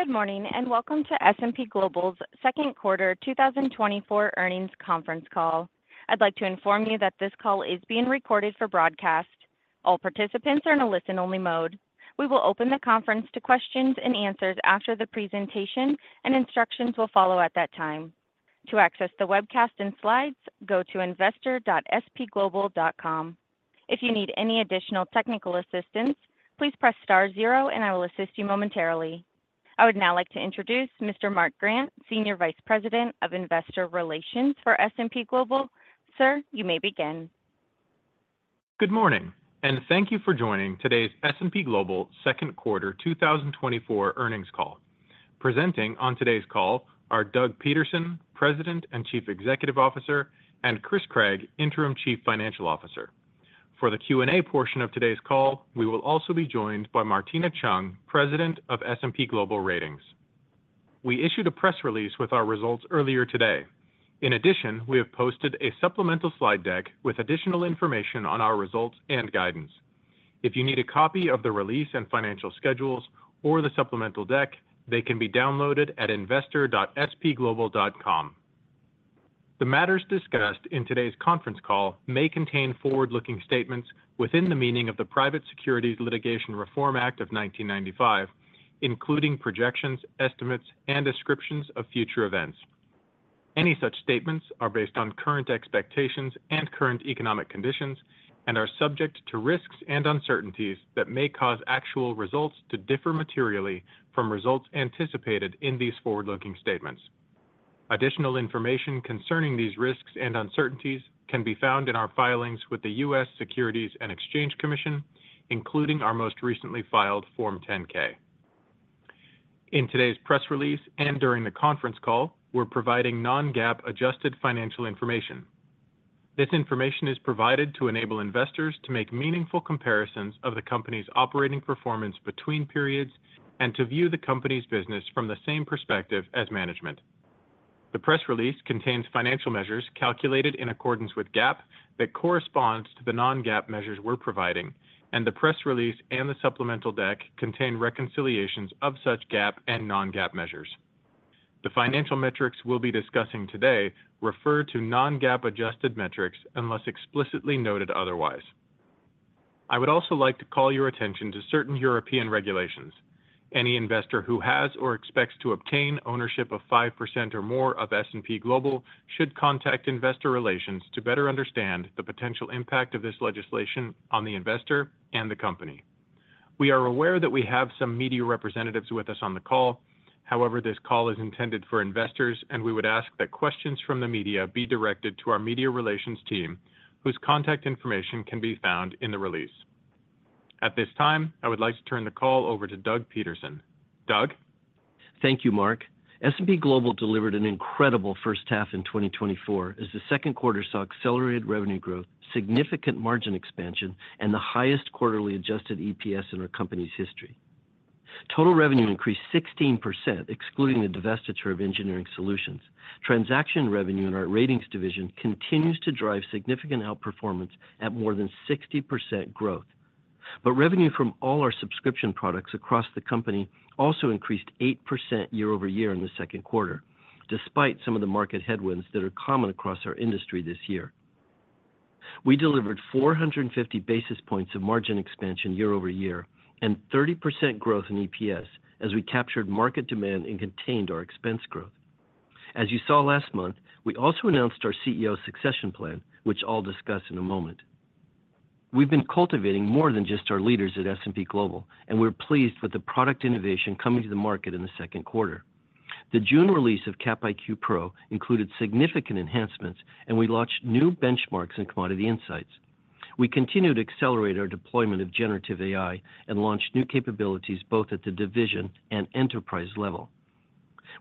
Good morning, and welcome to S&P Global's second quarter 2024 earnings conference call. I'd like to inform you that this call is being recorded for broadcast. All participants are in a listen-only mode. We will open the conference to questions and answers after the presentation, and instructions will follow at that time. To access the webcast and slides, go to investor.spglobal.com. If you need any additional technical assistance, please press star zero, and I will assist you momentarily. I would now like to introduce Mr. Mark Grant, Senior Vice President of Investor Relations for S&P Global. Sir, you may begin. Good morning, and thank you for joining today's S&P Global second quarter 2024 earnings call. Presenting on today's call are Doug Peterson, President and Chief Executive Officer, and Chris Craig, Interim Chief Financial Officer. For the Q&A portion of today's call, we will also be joined by Martina Cheung, President of S&P Global Ratings. We issued a press release with our results earlier today. In addition, we have posted a supplemental slide deck with additional information on our results and guidance. If you need a copy of the release and financial schedules or the supplemental deck, they can be downloaded at investor.spglobal.com. The matters discussed in today's conference call may contain forward-looking statements within the meaning of the Private Securities Litigation Reform Act of 1995, including projections, estimates, and descriptions of future events. Any such statements are based on current expectations and current economic conditions and are subject to risks and uncertainties that may cause actual results to differ materially from results anticipated in these forward-looking statements. Additional information concerning these risks and uncertainties can be found in our filings with the U.S. Securities and Exchange Commission, including our most recently filed Form 10-K. In today's press release and during the conference call, we're providing non-GAAP adjusted financial information. This information is provided to enable investors to make meaningful comparisons of the company's operating performance between periods and to view the company's business from the same perspective as management. The press release contains financial measures calculated in accordance with GAAP that corresponds to the non-GAAP measures we're providing, and the press release and the supplemental deck contain reconciliations of such GAAP and non-GAAP measures. The financial metrics we'll be discussing today refer to non-GAAP adjusted metrics unless explicitly noted otherwise. I would also like to call your attention to certain European regulations. Any investor who has or expects to obtain ownership of 5% or more of S&P Global should contact Investor Relations to better understand the potential impact of this legislation on the investor and the company. We are aware that we have some media representatives with us on the call. However, this call is intended for investors, and we would ask that questions from the media be directed to our Media Relations team, whose contact information can be found in the release. At this time, I would like to turn the call over to Doug Peterson. Doug? Thank you, Mark. S&P Global delivered an incredible first half in 2024 as the second quarter saw accelerated revenue growth, significant margin expansion, and the highest quarterly adjusted EPS in our company's history. Total revenue increased 16%, excluding the divestiture of Engineering Solutions. Transaction revenue in our Ratings division continues to drive significant outperformance at more than 60% growth. But revenue from all our subscription products across the company also increased 8% year-over-year in the second quarter, despite some of the market headwinds that are common across our industry this year. We delivered 450 basis points of margin expansion year-over-year and 30% growth in EPS as we captured market demand and contained our expense growth. As you saw last month, we also announced our CEO succession plan, which I'll discuss in a moment. We've been cultivating more than just our leaders at S&P Global, and we're pleased with the product innovation coming to the market in the second quarter. The June release of Capital IQ Pro included significant enhancements, and we launched new benchmarks in Commodity Insights. We continued to accelerate our deployment of generative AI and launched new capabilities both at the division and enterprise level.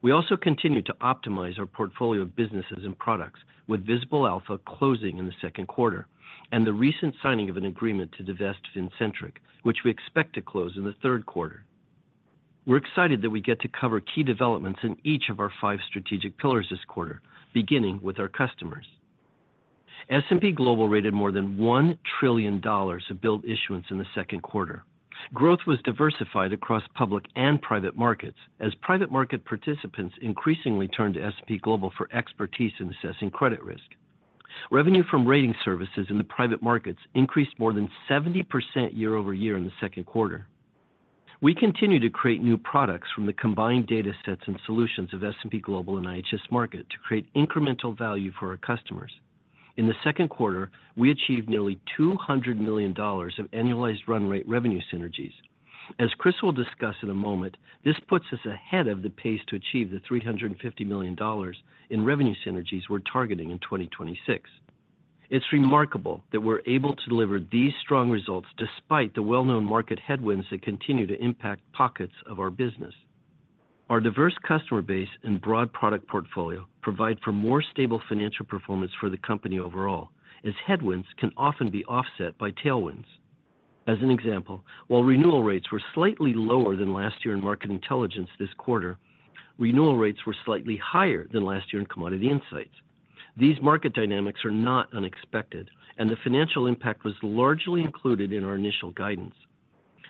We also continued to optimize our portfolio of businesses and products, with Visible Alpha closing in the second quarter and the recent signing of an agreement to divest Fincentric, which we expect to close in the third quarter. We're excited that we get to cover key developments in each of our five strategic pillars this quarter, beginning with our customers. S&P Global rated more than $1 trillion of billed issuance in the second quarter. Growth was diversified across public and private markets, as private market participants increasingly turned to S&P Global for expertise in assessing credit risk. Revenue from rating services in the private markets increased more than 70% year-over-year in the second quarter. We continue to create new products from the combined data sets and solutions of S&P Global and IHS Markit to create incremental value for our customers. In the second quarter, we achieved nearly $200 million of annualized run rate revenue synergies. As Chris will discuss in a moment, this puts us ahead of the pace to achieve the $350 million in revenue synergies we're targeting in 2026. It's remarkable that we're able to deliver these strong results despite the well-known market headwinds that continue to impact pockets of our business. Our diverse customer base and broad product portfolio provide for more stable financial performance for the company overall, as headwinds can often be offset by tailwinds. As an example, while renewal rates were slightly lower than last year in Market Intelligence this quarter, renewal rates were slightly higher than last year in Commodity Insights. These market dynamics are not unexpected, and the financial impact was largely included in our initial guidance.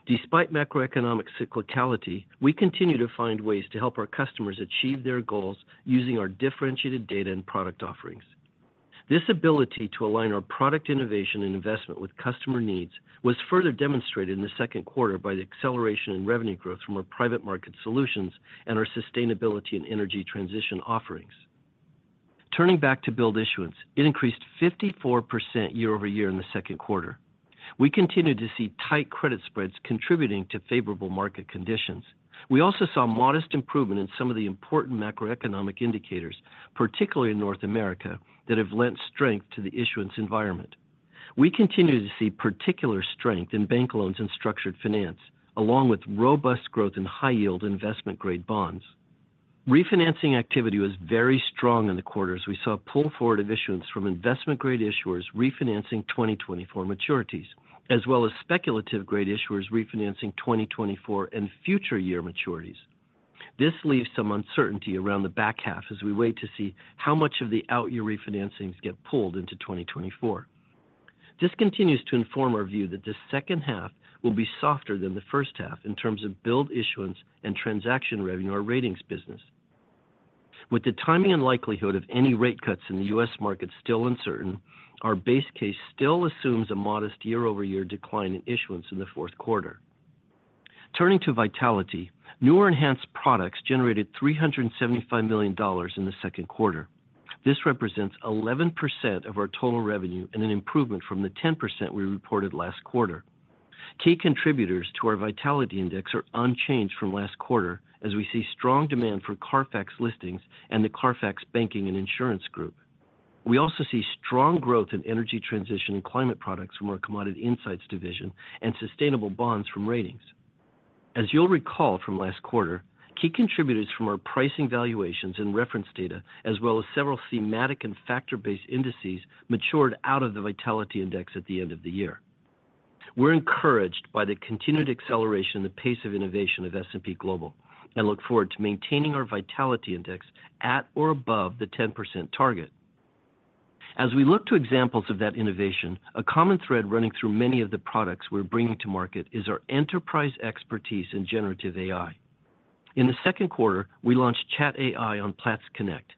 Despite macroeconomic cyclicality, we continue to find ways to help our customers achieve their goals using our differentiated data and product offerings. This ability to align our product innovation and investment with customer needs was further demonstrated in the second quarter by the acceleration in revenue growth from our private market solutions and our sustainability and energy transition offerings. Turning back to billed issuance, it increased 54% year-over-year in the second quarter. We continued to see tight credit spreads contributing to favorable market conditions. We also saw modest improvement in some of the important macroeconomic indicators, particularly in North America, that have lent strength to the issuance environment. We continue to see particular strength in bank loans and structured finance, along with robust growth in high yield investment grade bonds. Refinancing activity was very strong in the quarter, as we saw pull forward of issuance from investment grade issuers refinancing 2024 maturities, as well as speculative grade issuers refinancing 2024 and future year maturities. This leaves some uncertainty around the back half as we wait to see how much of the out-year refinancings get pulled into 2024. This continues to inform our view that the second half will be softer than the first half in terms of billed issuance and transaction revenue, our Ratings business. With the timing and likelihood of any rate cuts in the U.S. market still uncertain, our base case still assumes a modest year-over-year decline in issuance in the fourth quarter. Turning to vitality, new or enhanced products generated $375 million in the second quarter. This represents 11% of our total revenue and an improvement from the 10% we reported last quarter. Key contributors to our vitality index are unchanged from last quarter, as we see strong demand for CARFAX listings and the CARFAX Banking & Insurance Group. We also see strong growth in energy transition and climate products from our Commodity Insights division and sustainable bonds from Ratings. As you'll recall from last quarter, key contributors from our pricing valuations and reference data, as well as several thematic and factor-based indices, matured out of the Vitality Index at the end of the year. We're encouraged by the continued acceleration in the pace of innovation of S&P Global, and look forward to maintaining our Vitality Index at or above the 10% target. As we look to examples of that innovation, a common thread running through many of the products we're bringing to market is our enterprise expertise in generative AI. In the second quarter, we launched ChatAI on Platts Connect.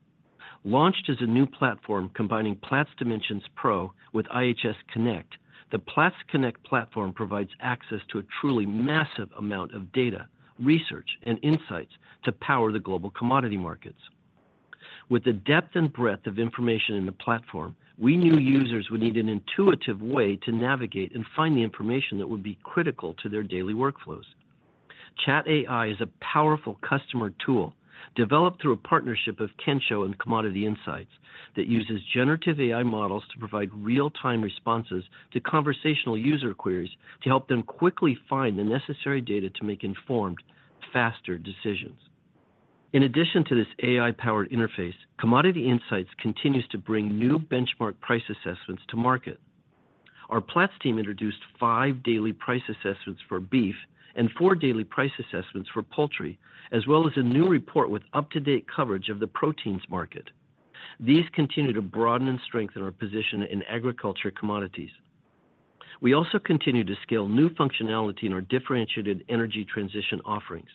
Launched as a new platform combining Platts Dimensions Pro with IHS Connect, the Platts Connect platform provides access to a truly massive amount of data, research, and insights to power the global commodity markets. With the depth and breadth of information in the platform, we knew users would need an intuitive way to navigate and find the information that would be critical to their daily workflows. ChatAI is a powerful customer tool developed through a partnership of Kensho and Commodity Insights that uses generative AI models to provide real-time responses to conversational user queries to help them quickly find the necessary data to make informed, faster decisions. In addition to this AI-powered interface, Commodity Insights continues to bring new benchmark Price Assessments to market. Our Platts team introduced five daily Price Assessments for beef and four daily Price Assessments for poultry, as well as a new report with up-to-date coverage of the proteins market. These continue to broaden and strengthen our position in agriculture commodities. We also continue to scale new functionality in our differentiated energy transition offerings.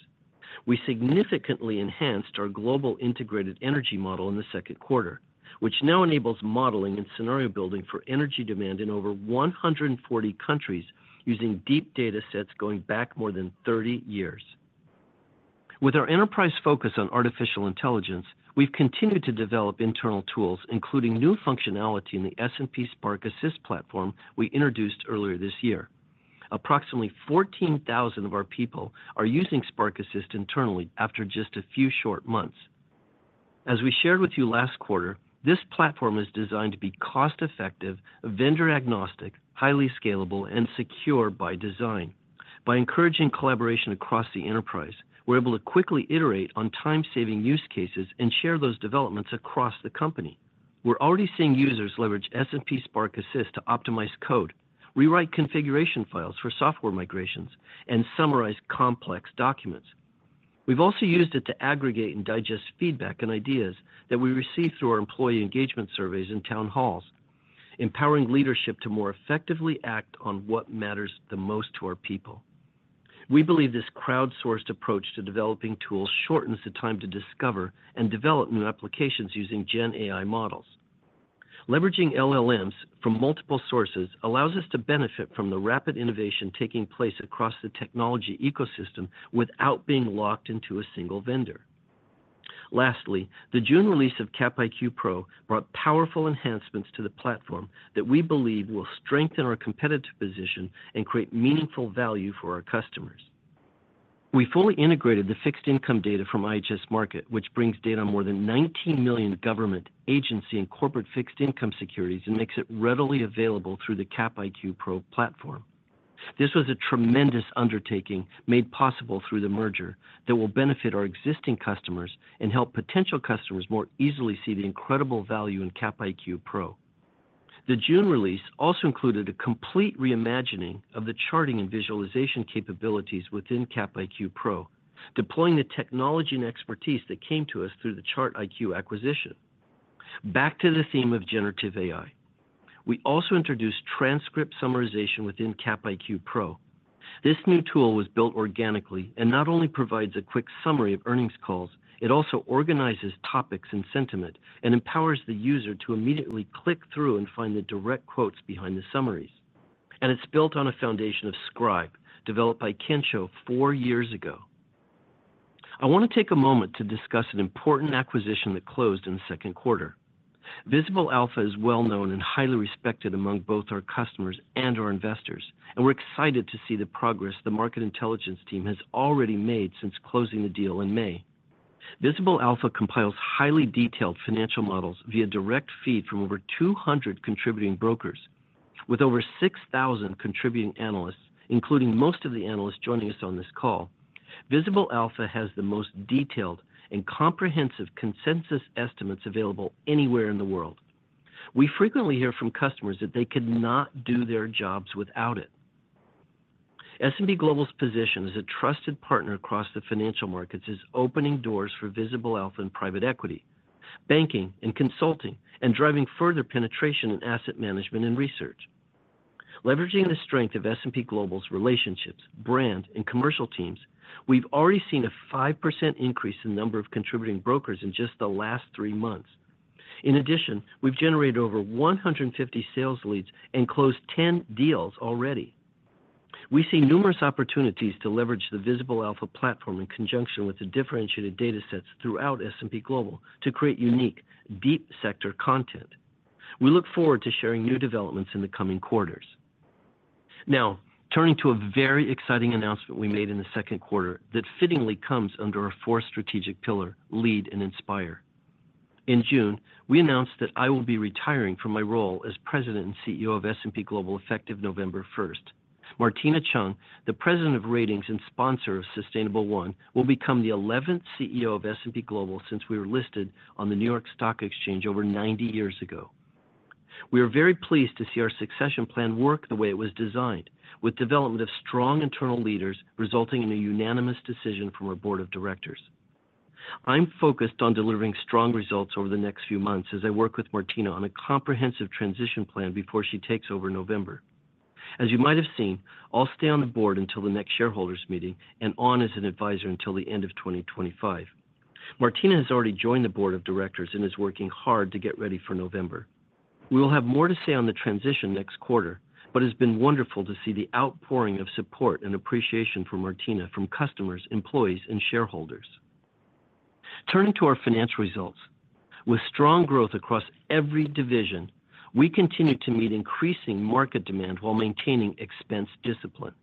We significantly enhanced our global integrated energy model in the second quarter, which now enables modeling and scenario building for energy demand in over 140 countries using deep data sets going back more than 30 years. With our enterprise focus on artificial intelligence, we've continued to develop internal tools, including new functionality in the S&P Spark Assist platform we introduced earlier this year. Approximately 14,000 of our people are using Spark Assist internally after just a few short months. As we shared with you last quarter, this platform is designed to be cost-effective, vendor-agnostic, highly scalable, and secure by design. By encouraging collaboration across the enterprise, we're able to quickly iterate on time-saving use cases and share those developments across the company. We're already seeing users leverage S&P Spark Assist to optimize code, rewrite configuration files for software migrations, and summarize complex documents. We've also used it to aggregate and digest feedback and ideas that we receive through our employee engagement surveys and town halls, empowering leadership to more effectively act on what matters the most to our people. We believe this crowdsourced approach to developing tools shortens the time to discover and develop new applications using Gen AI models. Leveraging LLMs from multiple sources allows us to benefit from the rapid innovation taking place across the technology ecosystem without being locked into a single vendor. Lastly, the June release of Capital IQ Pro brought powerful enhancements to the platform that we believe will strengthen our competitive position and create meaningful value for our customers. We fully integrated the fixed income data from IHS Markit, which brings data on more than 19 million government, agency, and corporate fixed income securities, and makes it readily available through the Capital IQ Pro platform. This was a tremendous undertaking made possible through the merger that will benefit our existing customers and help potential customers more easily see the incredible value in Capital IQ Pro. The June release also included a complete reimagining of the charting and visualization capabilities within Capital IQ Pro, deploying the technology and expertise that came to us through the ChartIQ acquisition. Back to the theme of generative AI. We also introduced transcript summarization within Capital IQ Pro. This new tool was built organically, and not only provides a quick summary of earnings calls, it also organizes topics and sentiment, and empowers the user to immediately click through and find the direct quotes behind the summaries. And it's built on a foundation of Scribe, developed by Kensho four years ago. I want to take a moment to discuss an important acquisition that closed in the second quarter. Visible Alpha is well known and highly respected among both our customers and our investors, and we're excited to see the progress the Market Intelligence team has already made since closing the deal in May. Visible Alpha compiles highly detailed financial models via direct feed from over 200 contributing brokers. With over 6,000 contributing analysts, including most of the analysts joining us on this call, Visible Alpha has the most detailed and comprehensive consensus estimates available anywhere in the world. We frequently hear from customers that they could not do their jobs without it. S&P Global's position as a trusted partner across the financial markets is opening doors for Visible Alpha and private equity, banking, and consulting, and driving further penetration in asset management and research. Leveraging the strength of S&P Global's relationships, brand, and commercial teams, we've already seen a 5% increase in number of contributing brokers in just the last three months. In addition, we've generated over 150 sales leads and closed 10 deals already. We see numerous opportunities to leverage the Visible Alpha platform in conjunction with the differentiated datasets throughout S&P Global to create unique, deep sector content. We look forward to sharing new developments in the coming quarters. Now, turning to a very exciting announcement we made in the second quarter that fittingly comes under our fourth strategic pillar, Lead and Inspire. In June, we announced that I will be retiring from my role as President and CEO of S&P Global, effective November first. Martina Cheung, the President of Ratings and Sponsor of Sustainable1, will become the eleventh CEO of S&P Global since we were listed on the New York Stock Exchange over 90 years ago. We are very pleased to see our succession plan work the way it was designed, with development of strong internal leaders, resulting in a unanimous decision from our board of directors. I'm focused on delivering strong results over the next few months as I work with Martina on a comprehensive transition plan before she takes over in November. As you might have seen, I'll stay on the board until the next shareholders' meeting and on as an advisor until the end of 2025. Martina has already joined the board of directors and is working hard to get ready for November. We will have more to say on the transition next quarter, but it's been wonderful to see the outpouring of support and appreciation for Martina from customers, employees, and shareholders. Turning to our financial results. With strong growth across every division, we continue to meet increasing market demand while maintaining expense discipline.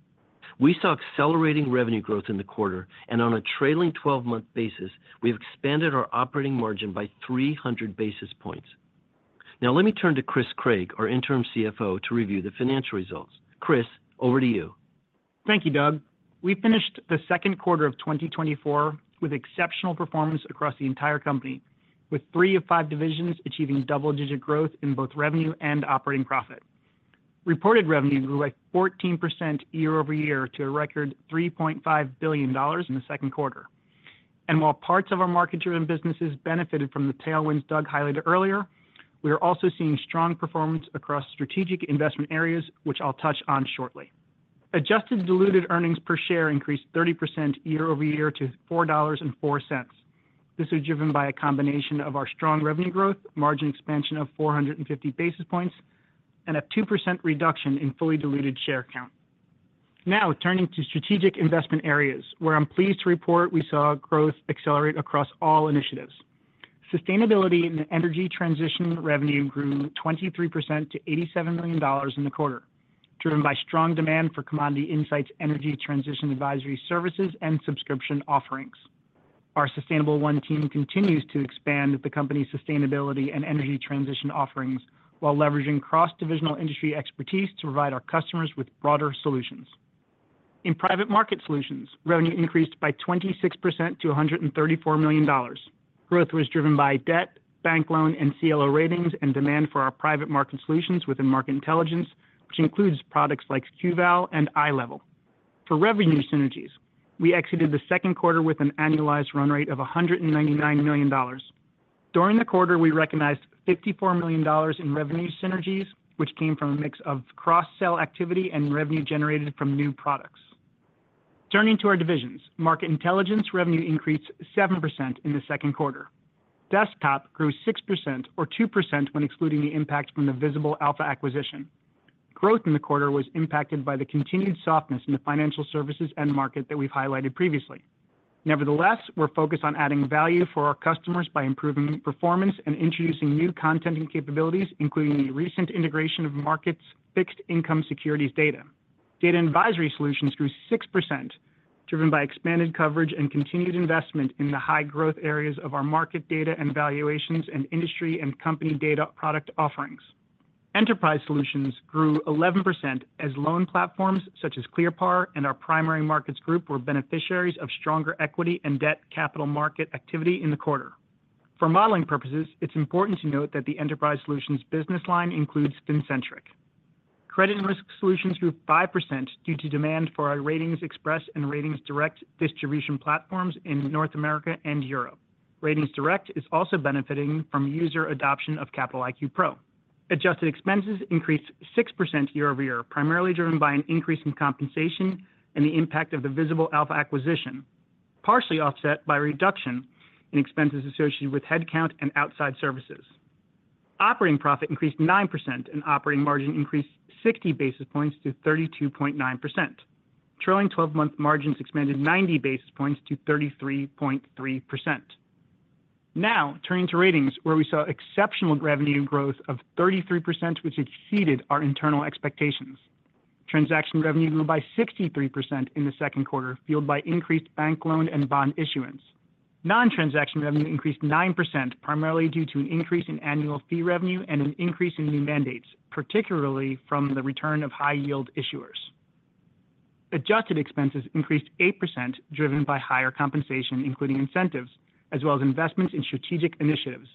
We saw accelerating revenue growth in the quarter, and on a trailing 12-month basis, we've expanded our operating margin by 300 basis points. Now, let me turn to Chris Craig, our interim CFO, to review the financial results. Chris, over to you. Thank you, Doug. We finished the second quarter of 2024 with exceptional performance across the entire company, with 3 of 5 divisions achieving double-digit growth in both revenue and operating profit. Reported revenues were like 14% year-over-year to a record $3.5 billion in the second quarter. While parts of our market-driven businesses benefited from the tailwinds Doug highlighted earlier, we are also seeing strong performance across strategic investment areas, which I'll touch on shortly. Adjusted diluted earnings per share increased 30% year-over-year to $4.04. This was driven by a combination of our strong revenue growth, margin expansion of 450 basis points, and a 2% reduction in fully diluted share count. Now, turning to strategic investment areas, where I'm pleased to report we saw growth accelerate across all initiatives. Sustainability and energy transition revenue grew 23% to $87 million in the quarter, driven by strong demand for Commodity Insights, energy transition advisory services, and subscription offerings. Our Sustainable1 team continues to expand the company's sustainability and energy transition offerings while leveraging cross-divisional industry expertise to provide our customers with broader solutions. In Private Market Solutions, revenue increased by 26% to $134 million. Growth was driven by debt, bank loan, and CLO Ratings, and demand for our private market solutions within Market Intelligence, which includes products like QVAL and iLEVEL. For revenue synergies, we exited the second quarter with an annualized run rate of $199 million. During the quarter, we recognized $54 million in revenue synergies, which came from a mix of cross-sell activity and revenue generated from new products. Turning to our divisions, Market Intelligence revenue increased 7% in the second quarter. Desktop grew 6% or 2% when excluding the impact from the Visible Alpha acquisition. Growth in the quarter was impacted by the continued softness in the financial services end market that we've highlighted previously. Nevertheless, we're focused on adding value for our customers by improving performance and introducing new content and capabilities, including the recent integration of markets, fixed income securities data. Data & Advisory Solutions grew 6%, driven by expanded coverage and continued investment in the high growth areas of our market data and valuations and industry and company data product offerings. Enterprise Solutions grew 11% as loan platforms such as ClearPar and our Primary Markets Group were beneficiaries of stronger equity and debt capital market activity in the quarter. For modeling purposes, it's important to note that the Enterprise Solutions business line includes Fincentric. Credit & Risk Solutions grew 5% due to demand for our Ratings Express and RatingsDirect distribution platforms in North America and Europe. RatingsDirect is also benefiting from user adoption of Capital IQ Pro. Adjusted expenses increased 6% year-over-year, primarily driven by an increase in compensation and the impact of the Visible Alpha acquisition, partially offset by a reduction in expenses associated with headcount and outside services. Operating profit increased 9%, and operating margin increased 60 basis points to 32.9%. Trailing 12-month margins expanded 90 basis points to 33.3%. Now, turning to Ratings, where we saw exceptional revenue growth of 33%, which exceeded our internal expectations. Transaction revenue grew by 63% in the second quarter, fueled by increased bank loan and bond issuance. Non-transaction revenue increased 9%, primarily due to an increase in annual fee revenue and an increase in new mandates, particularly from the return of high-yield issuers. Adjusted expenses increased 8%, driven by higher compensation, including incentives, as well as investments in strategic initiatives.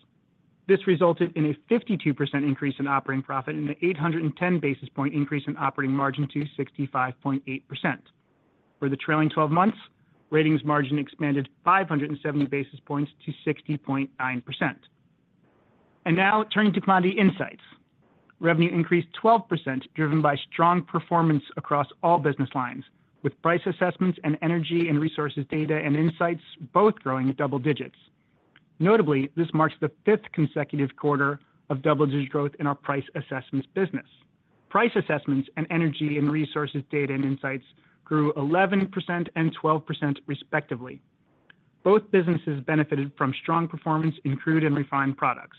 This resulted in a 52% increase in operating profit and an 810 basis point increase in operating margin to 65.8%. For the trailing twelve months, Ratings margin expanded 570 basis points to 60.9%. Now turning to Commodity Insights. Revenue increased 12%, driven by strong performance across all business lines, with Price Assessments and Energy & Resources Data & Insights both growing at double digits. Notably, this marks the fifth consecutive quarter of double-digit growth in our Price Assessments business. Price Assessments and Energy & Resources Data & Insights grew 11% and 12% respectively. Both businesses benefited from strong performance in crude and refined products.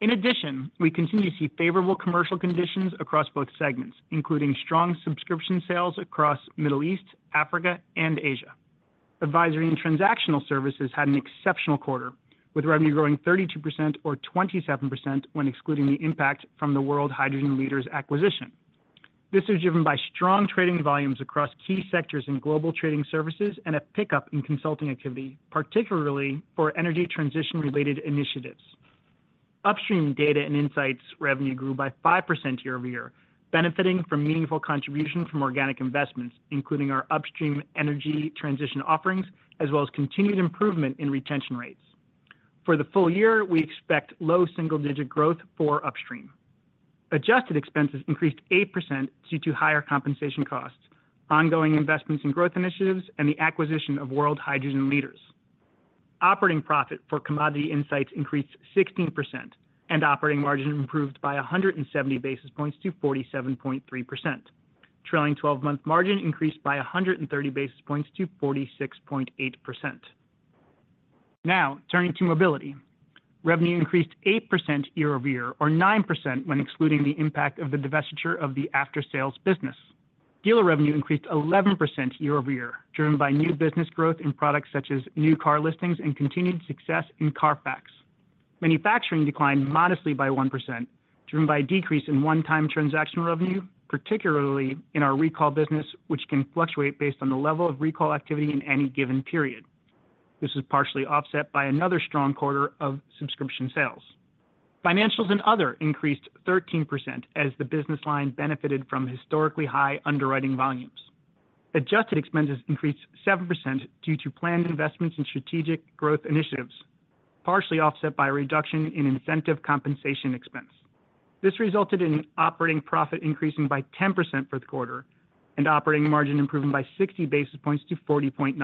In addition, we continue to see favorable commercial conditions across both segments, including strong subscription sales across Middle East, Africa, and Asia. Advisory and transactional services had an exceptional quarter, with revenue growing 32% or 27% when excluding the impact from the World Hydrogen Leaders acquisition. This was driven by strong trading volumes across key sectors in Global Trading Services and a pickup in consulting activity, particularly for energy transition-related initiatives. Upstream Data & Insights revenue grew by 5% year-over-year, benefiting from meaningful contribution from organic investments, including our upstream energy transition offerings, as well as continued improvement in retention rates. For the full year, we expect low single-digit growth for upstream. Adjusted expenses increased 8% due to higher compensation costs, ongoing investments in growth initiatives, and the acquisition of World Hydrogen Leaders. Operating profit for Commodity Insights increased 16%, and operating margin improved by 170 basis points to 47.3%. Trailing twelve-month margin increased by 130 basis points to 46.8%. Now, turning to Mobility. Revenue increased 8% year-over-year, or 9% when excluding the impact of the divestiture of the after-sales business. Dealer revenue increased 11% year-over-year, driven by new business growth in products such as new car listings and continued success in CARFAX. Manufacturing declined modestly by 1%, driven by a decrease in one-time transaction revenue, particularly in our recall business, which can fluctuate based on the level of recall activity in any given period. This is partially offset by another strong quarter of subscription sales. Financials & Other increased 13% as the business line benefited from historically high underwriting volumes. Adjusted expenses increased 7% due to planned investments in strategic growth initiatives, partially offset by a reduction in incentive compensation expense. This resulted in operating profit increasing by 10% for the quarter and operating margin improving by 60 basis points to 40.9%.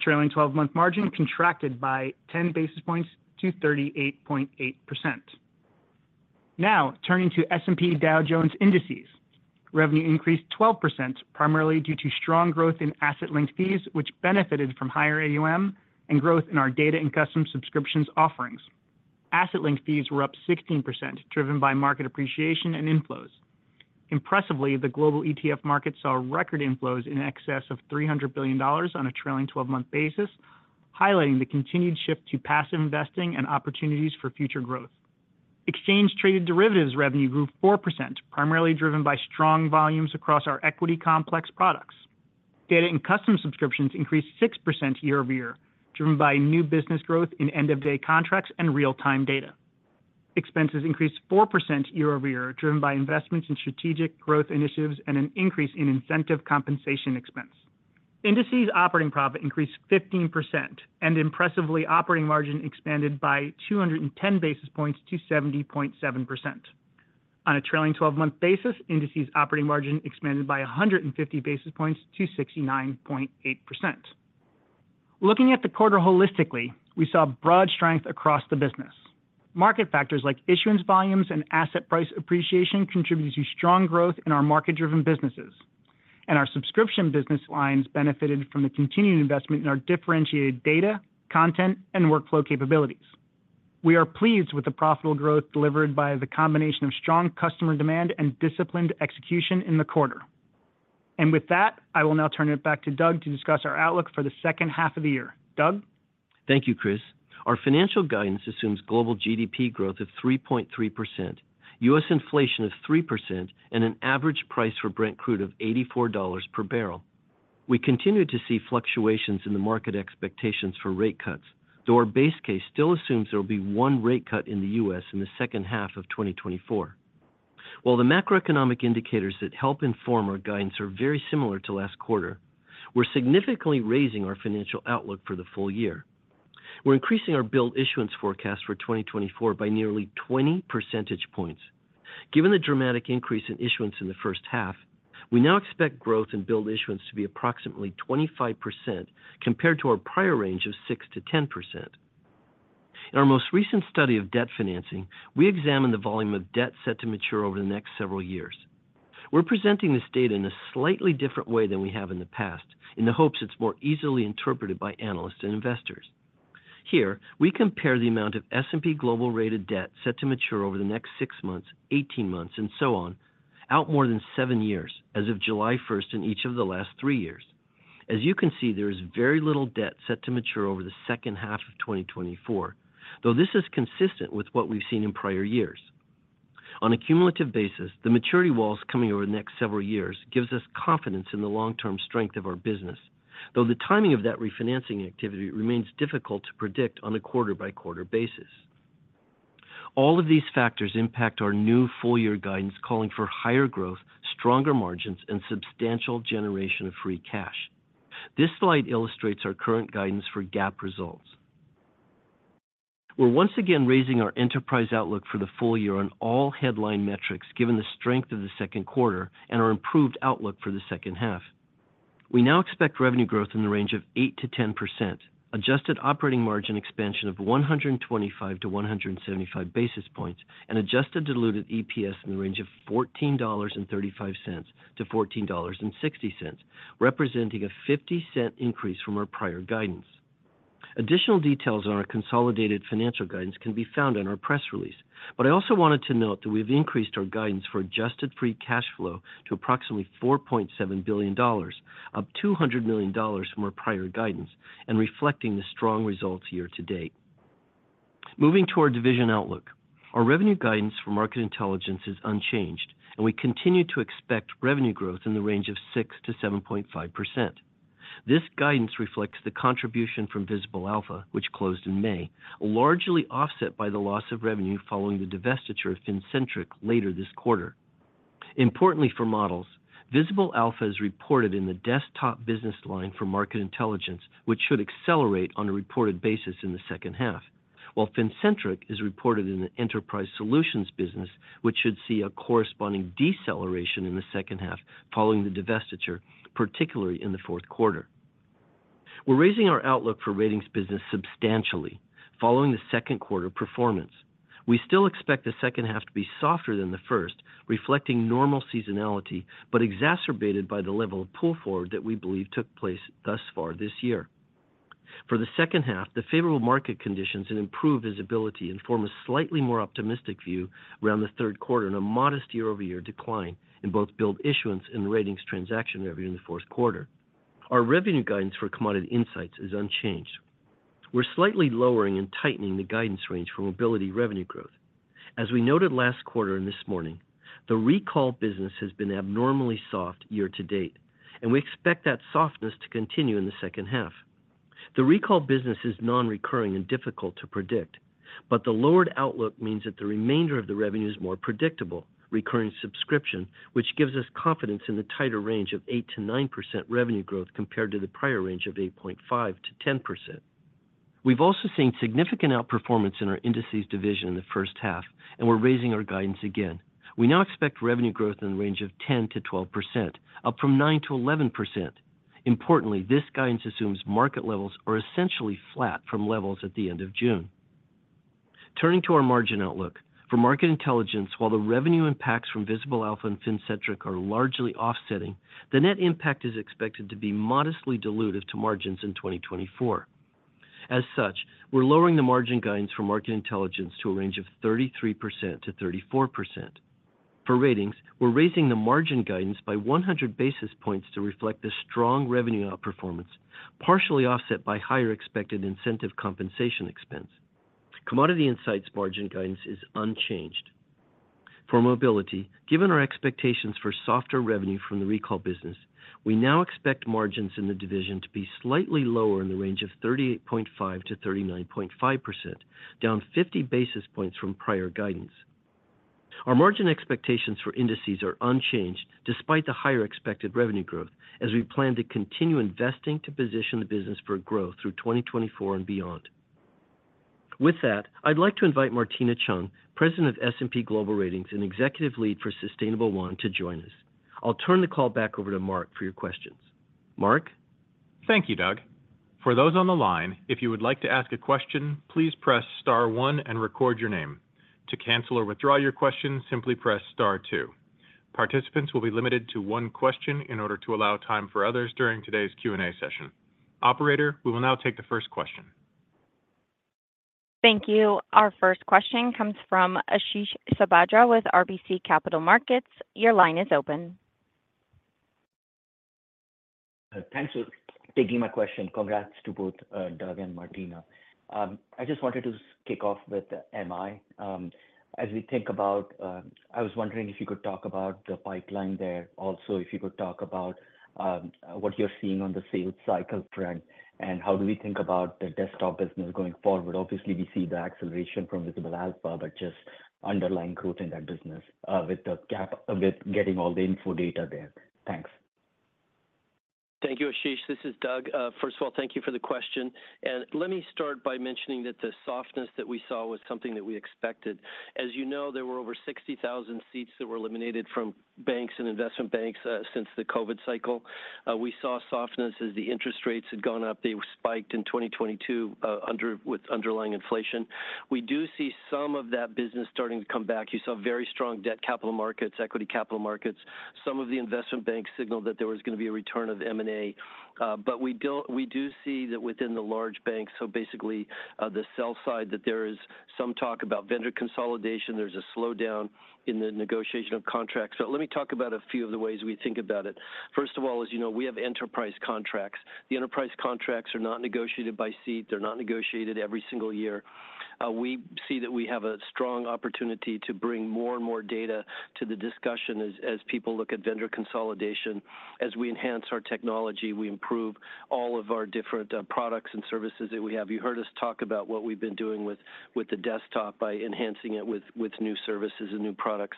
Trailing twelve-month margin contracted by 10 basis points to 38.8%. Now, turning to S&P Dow Jones Indices. Revenue increased 12%, primarily due to strong growth in Asset-Linked Fees, which benefited from higher AUM and growth in our Data & Custom Subscriptions offerings. Asset-Linked Fees were up 16%, driven by market appreciation and inflows. Impressively, the global ETF market saw record inflows in excess of $300 billion on a trailing twelve-month basis, highlighting the continued shift to passive investing and opportunities for future growth. Exchange-Traded Derivatives revenue grew 4%, primarily driven by strong volumes across our equity complex products. Data & Custom Subscriptions increased 6% year-over-year, driven by new business growth in end-of-day contracts and real-time data. Expenses increased 4% year-over-year, driven by investments in strategic growth initiatives and an increase in incentive compensation expense. Indices operating profit increased 15%, and impressively, operating margin expanded by 210 basis points to 70.7%. On a trailing twelve-month basis, Indices operating margin expanded by 150 basis points to 69.8%. Looking at the quarter holistically, we saw broad strength across the business. Market factors like issuance volumes and asset price appreciation contributed to strong growth in our market-driven businesses, and our subscription business lines benefited from the continuing investment in our differentiated data, content, and workflow capabilities. We are pleased with the profitable growth delivered by the combination of strong customer demand and disciplined execution in the quarter. With that, I will now turn it back to Doug to discuss our outlook for the second half of the year. Doug? Thank you, Chris. Our financial guidance assumes global GDP growth of 3.3%, U.S. inflation of 3%, and an average price for Brent crude of $84 per barrel. We continue to see fluctuations in the market expectations for rate cuts, though our base case still assumes there will be one rate cut in the U.S. in the second half of 2024. While the macroeconomic indicators that help inform our guidance are very similar to last quarter, we're significantly raising our financial outlook for the full year. We're increasing our billed issuance forecast for 2024 by nearly 20 percentage points. Given the dramatic increase in issuance in the first half, we now expect growth in billed issuance to be approximately 25%, compared to our prior range of 6%-10%. In our most recent study of debt financing, we examined the volume of debt set to mature over the next several years. We're presenting this data in a slightly different way than we have in the past, in the hopes it's more easily interpreted by analysts and investors. Here, we compare the amount of S&P Global rated debt set to mature over the next six months, 18 months, and so on, out more than seven years as of July first in each of the last three years. As you can see, there is very little debt set to mature over the second half of 2024, though this is consistent with what we've seen in prior years. On a cumulative basis, the maturity walls coming over the next several years gives us confidence in the long-term strength of our business, though the timing of that refinancing activity remains difficult to predict on a quarter-by-quarter basis. All of these factors impact our new full year guidance, calling for higher growth, stronger margins, and substantial generation of free cash. This slide illustrates our current guidance for GAAP results. We're once again raising our enterprise outlook for the full year on all headline metrics, given the strength of the second quarter and our improved outlook for the second half. We now expect revenue growth in the range of 8%-10%, adjusted operating margin expansion of 125-175 basis points, and adjusted diluted EPS in the range of $14.35-$14.60, representing a $0.50 increase from our prior guidance. Additional details on our consolidated financial guidance can be found in our press release, but I also wanted to note that we've increased our guidance for adjusted free cash flow to approximately $4.7 billion, up $200 million from our prior guidance, and reflecting the strong results year to date. Moving to our division outlook. Our revenue guidance for Market Intelligence is unchanged, and we continue to expect revenue growth in the range of 6%-7.5%. This guidance reflects the contribution from Visible Alpha, which closed in May, largely offset by the loss of revenue following the divestiture of Fincentric later this quarter. Importantly for models, Visible Alpha is reported in the desktop business line for Market Intelligence, which should accelerate on a reported basis in the second half, while Fincentric is reported in the Enterprise Solutions business, which should see a corresponding deceleration in the second half following the divestiture, particularly in the fourth quarter. We're raising our outlook for Ratings business substantially following the second quarter performance. We still expect the second half to be softer than the first, reflecting normal seasonality, but exacerbated by the level of pull forward that we believe took place thus far this year. For the second half, the favorable market conditions and improved visibility inform a slightly more optimistic view around the third quarter and a modest year-over-year decline in both billed issuance and Ratings transaction revenue in the fourth quarter. Our revenue guidance for Commodity Insights is unchanged. We're slightly lowering and tightening the guidance range for Mobility revenue growth. As we noted last quarter and this morning, the recall business has been abnormally soft year-to-date, and we expect that softness to continue in the second half. The recall business is non-recurring and difficult to predict, but the lowered outlook means that the remainder of the revenue is more predictable, recurring subscription, which gives us confidence in the tighter range of 8%-9% revenue growth compared to the prior range of 8.5%-10%. We've also seen significant outperformance in our Indices division in the first half, and we're raising our guidance again. We now expect revenue growth in the range of 10%-12%, up from 9%-11%. Importantly, this guidance assumes market levels are essentially flat from levels at the end of June. Turning to our margin outlook. For Market Intelligence, while the revenue impacts from Visible Alpha and Fincentric are largely offsetting, the net impact is expected to be modestly dilutive to margins in 2024. As such, we're lowering the margin guidance for Market Intelligence to a range of 33%-34%. For Ratings, we're raising the margin guidance by 100 basis points to reflect the strong revenue outperformance, partially offset by higher expected incentive compensation expense. Commodity Insights margin guidance is unchanged. For Mobility, given our expectations for softer revenue from the recall business, we now expect margins in the division to be slightly lower in the range of 38.5%-39.5%, down 50 basis points from prior guidance. Our margin expectations for Indices are unchanged despite the higher expected revenue growth, as we plan to continue investing to position the business for growth through 2024 and beyond. With that, I'd like to invite Martina Cheung, President of S&P Global Ratings and Executive Lead for Sustainable1, to join us. I'll turn the call back over to Mark for your questions. Mark? Thank you, Doug. For those on the line, if you would like to ask a question, please press star one and record your name. To cancel or withdraw your question, simply press star two. Participants will be limited to one question in order to allow time for others during today's Q&A session. Operator, we will now take the first question. Thank you. Our first question comes from Ashish Sabadra with RBC Capital Markets. Your line is open. Thanks for taking my question, congrats to both, Doug and Martina. I just wanted to kick off with MI. As we think about, I was wondering if you could talk about the pipeline there. Also, if you could talk about what you're seeing on the sales cycle trend, and how do we think about the desktop business going forward? Obviously, we see the acceleration from Visible Alpha, but just underlying growth in that business, with the gap, with getting all the info data there. Thanks. Thank you, Ashish. This is Doug. First of all, thank you for the question, and let me start by mentioning that the softness that we saw was something that we expected. As you know, there were over 60,000 seats that were eliminated from banks and investment banks since the COVID cycle. We saw softness as the interest rates had gone up. They spiked in 2022, with underlying inflation. We do see some of that business starting to come back. You saw very strong debt capital markets, equity capital markets. Some of the investment banks signaled that there was going to be a return of M&A, but we don't-- We do see that within the large banks, so basically, the sell side, that there is some talk about vendor consolidation. There's a slowdown in the negotiation of contracts. So let me talk about a few of the ways we think about it. First of all, as you know, we have enterprise contracts. The enterprise contracts are not negotiated by seat. They're not negotiated every single year. We see that we have a strong opportunity to bring more and more data to the discussion as people look at vendor consolidation. As we enhance our technology, we improve all of our different products and services that we have. You heard us talk about what we've been doing with the desktop by enhancing it with new services and new products.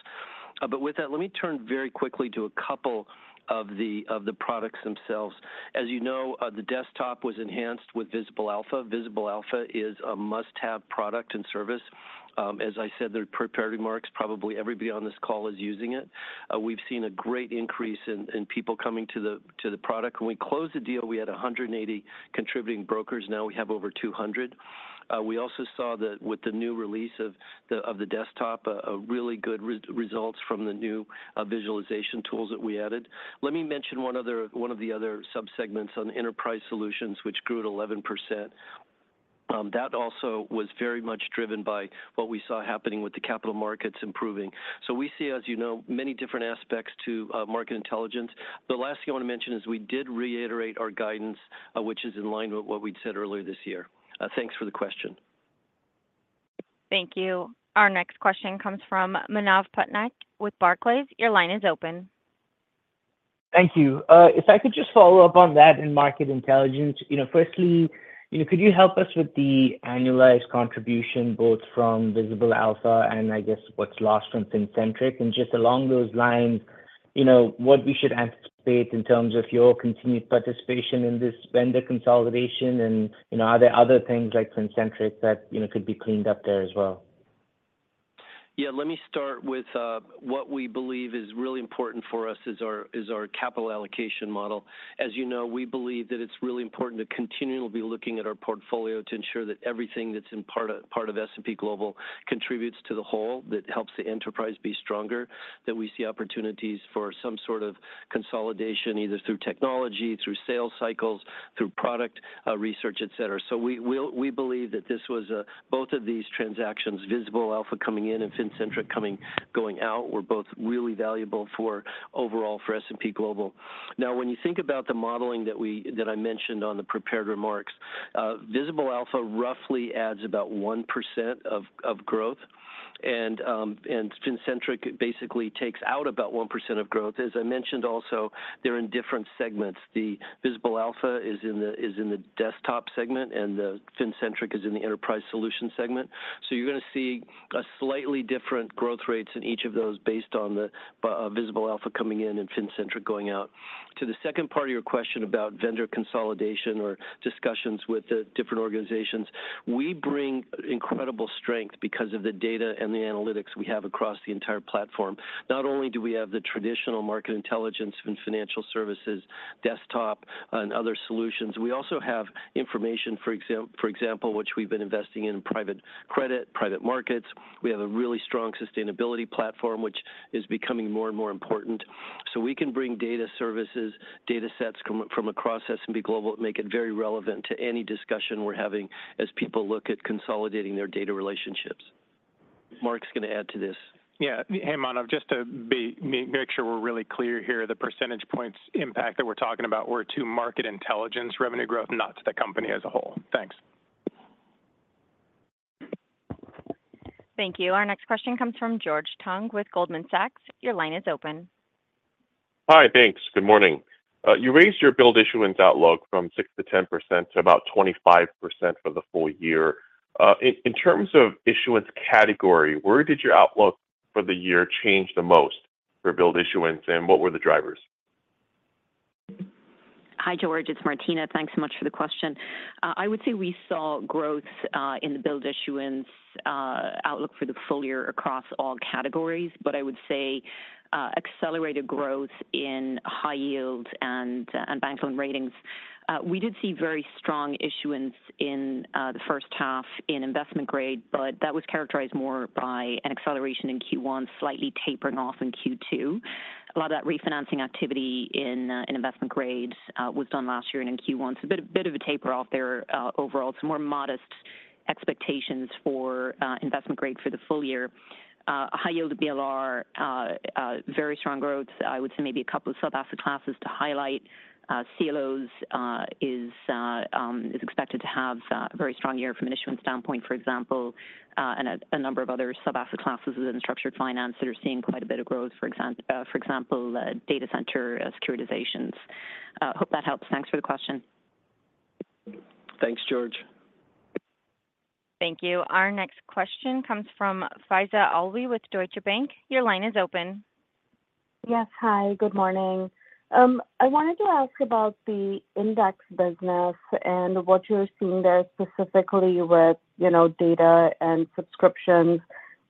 But with that, let me turn very quickly to a couple of the products themselves. As you know, the desktop was enhanced with Visible Alpha. Visible Alpha is a must-have product and service. As I said, their prepared remarks, probably everybody on this call is using it. We've seen a great increase in people coming to the product. When we closed the deal, we had 180 contributing brokers. Now we have over 200. We also saw that with the new release of the desktop, a really good results from the new visualization tools that we added. Let me mention one of the other subsegments on enterprise solutions, which grew at 11%. That also was very much driven by what we saw happening with the capital markets improving. So we see, as you know, many different aspects to Market Intelligence. The last thing I want to mention is we did reiterate our guidance, which is in line with what we'd said earlier this year. Thanks for the question. Thank you. Our next question comes from Manav Patnaik with Barclays. Your line is open. Thank you. If I could just follow up on that in Market Intelligence. You know, firstly, you know, could you help us with the annualized contribution, both from Visible Alpha and I guess what's lost from Fincentric? And just along those lines, you know, what we should anticipate in terms of your continued participation in this vendor consolidation, and, you know, are there other things like Fincentric that, you know, could be cleaned up there as well? Yeah. Let me start with what we believe is really important for us is our capital allocation model. As you know, we believe that it's really important to continually be looking at our portfolio to ensure that everything that's in part of S&P Global contributes to the whole, that helps the enterprise be stronger, that we see opportunities for some sort of consolidation, either through technology, through sales cycles, through product research, et cetera. So we believe that this was both of these transactions, Visible Alpha coming in and Fincentric going out, were both really valuable overall for S&P Global. Now, when you think about the modeling that I mentioned on the prepared remarks, Visible Alpha roughly adds about 1% of growth, and Fincentric basically takes out about 1% of growth. As I mentioned also, they're in different segments. The Visible Alpha is in the, is in the desktop segment, and the Fincentric is in the enterprise solution segment. So you're going to see a slightly different growth rates in each of those based on the Visible Alpha coming in and Fincentric going out. To the second part of your question about vendor consolidation or discussions with the different organizations, we bring incredible strength because of the data and the analytics we have across the entire platform. Not only do we have the traditional Market Intelligence and financial services, desktop, and other solutions, we also have information, for example, which we've been investing in, private credit, private markets. We have a really strong sustainability platform, which is becoming more and more important. So we can bring data services, data sets come from across S&P Global, make it very relevant to any discussion we're having as people look at consolidating their data relationships. Mark's going to add to this. Yeah. Hey, Manav, just to make sure we're really clear here, the percentage points impact that we're talking about were to Market Intelligence revenue growth, not to the company as a whole. Thanks. Thank you. Our next question comes from George Tong with Goldman Sachs. Your line is open. Hi, thanks. Good morning. You raised your billed issuance outlook from 6%-10% to about 25% for the full year. In terms of issuance category, where did your outlook for the year change the most for billed issuance, and what were the drivers? Hi, George, it's Martina. Thanks so much for the question. I would say we saw growth in the billed issuance outlook for the full year across all categories, but I would say accelerated growth in high yield and bank loan Ratings. We did see very strong issuance in the first half in investment grade, but that was characterized more by an acceleration in Q1, slightly tapering off in Q2. A lot of that refinancing activity in investment grade was done last year and in Q1, so a bit of a taper off there. Overall, it's more modest expectations for investment grade for the full year. High yield and BLR very strong growth. I would say maybe a couple of sub-asset classes to highlight, CLOs is expected to have a very strong year from an issuance standpoint, for example, and a number of other sub-asset classes within structured finance that are seeing quite a bit of growth, for example, data center securitizations. Hope that helps. Thanks for the question. Thanks, George. Thank you. Our next question comes from Faiza Alwy with Deutsche Bank. Your line is open. Yes. Hi, good morning. I wanted to ask about the index business and what you're seeing there specifically with, you know, data and subscriptions.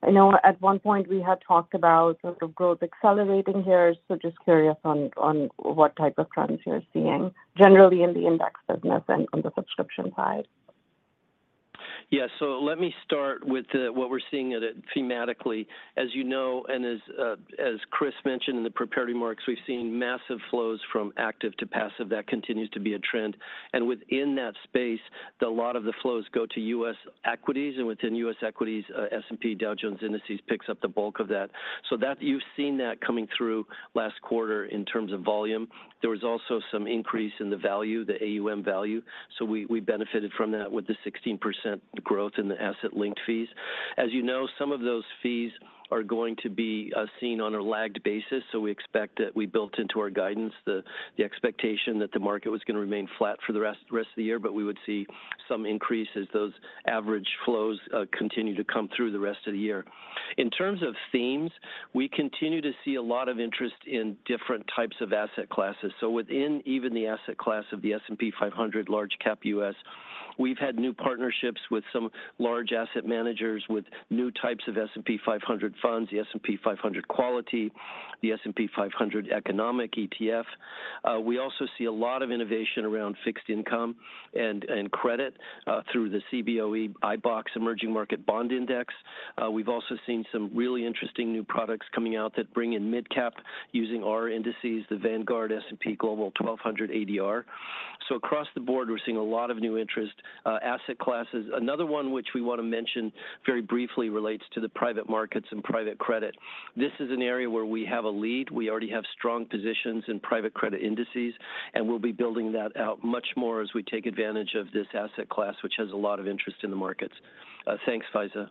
I know at one point we had talked about sort of growth accelerating here, so just curious on what type of trends you're seeing generally in the index business and on the subscription side. Yeah. So let me start with what we're seeing at it thematically. As you know, and as, as Chris mentioned in the prepared remarks, we've seen massive flows from active to passive. That continues to be a trend. And within that space, a lot of the flows go to U.S. equities, and within U.S. equities, S&P Dow Jones Indices picks up the bulk of that. So that- you've seen that coming through last quarter in terms of volume. There was also some increase in the value, the AUM value, so we benefited from that with the 16% growth in the Asset-Linked Fees. As you know, some of those fees are going to be seen on a lagged basis, so we expect that we built into our guidance the expectation that the market was gonna remain flat for the rest of the year, but we would see some increase as those average flows continue to come through the rest of the year. In terms of themes, we continue to see a lot of interest in different types of asset classes. So within even the asset class of the S&P 500 large cap U.S., we've had new partnerships with some large asset managers, with new types of S&P 500 funds, the S&P 500 Quality, the S&P 500 Economic ETF. We also see a lot of innovation around fixed income and credit through the Cboe iBoxx Emerging Market Bond Index. We've also seen some really interesting new products coming out that bring in midcap using our indices, the Vanguard S&P Global 1200 ADR. So across the board, we're seeing a lot of new interest, asset classes. Another one which we want to mention very briefly relates to the private markets and private credit. This is an area where we have a lead. We already have strong positions in private credit indices, and we'll be building that out much more as we take advantage of this asset class, which has a lot of interest in the markets. Thanks, Faiza.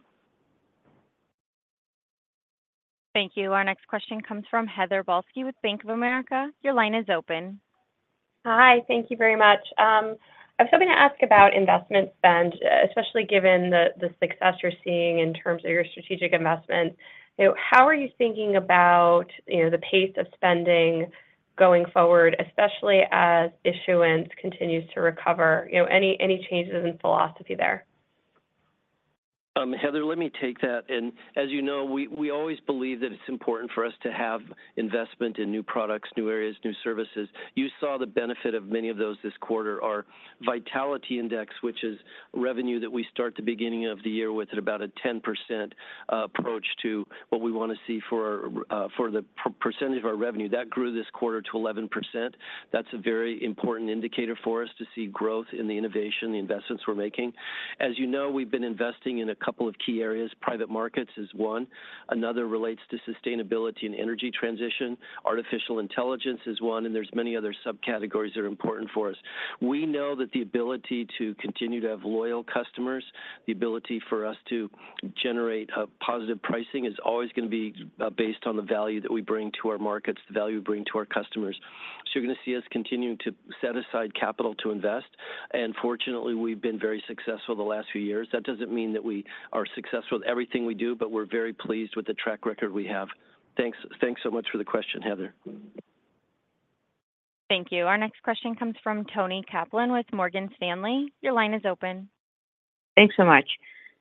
Thank you. Our next question comes from Heather Balsky with Bank of America. Your line is open. Hi, thank you very much. I have something to ask about investment spend, especially given the success you're seeing in terms of your strategic investment. You know, how are you thinking about the pace of spending going forward, especially as issuance continues to recover? You know, any changes in philosophy there? Heather, let me take that. As you know, we, we always believe that it's important for us to have investment in new products, new areas, new services. You saw the benefit of many of those this quarter. Our Vitality Index, which is revenue that we start the beginning of the year with, at about a 10% approach to what we wanna see for the percentage of our revenue. That grew this quarter to 11%. That's a very important indicator for us to see growth in the innovation, the investments we're making. As you know, we've been investing in a couple of key areas. Private markets is one. Another relates to sustainability and energy transition. Artificial intelligence is one, and there's many other subcategories that are important for us. We know that the ability to continue to have loyal customers, the ability for us to generate a positive pricing, is always gonna be based on the value that we bring to our markets, the value we bring to our customers. So you're gonna see us continuing to set aside capital to invest, and fortunately, we've been very successful the last few years. That doesn't mean that we are successful with everything we do, but we're very pleased with the track record we have. Thanks, thanks so much for the question, Heather. Thank you. Our next question comes from Toni Kaplan with Morgan Stanley. Your line is open. Thanks so much.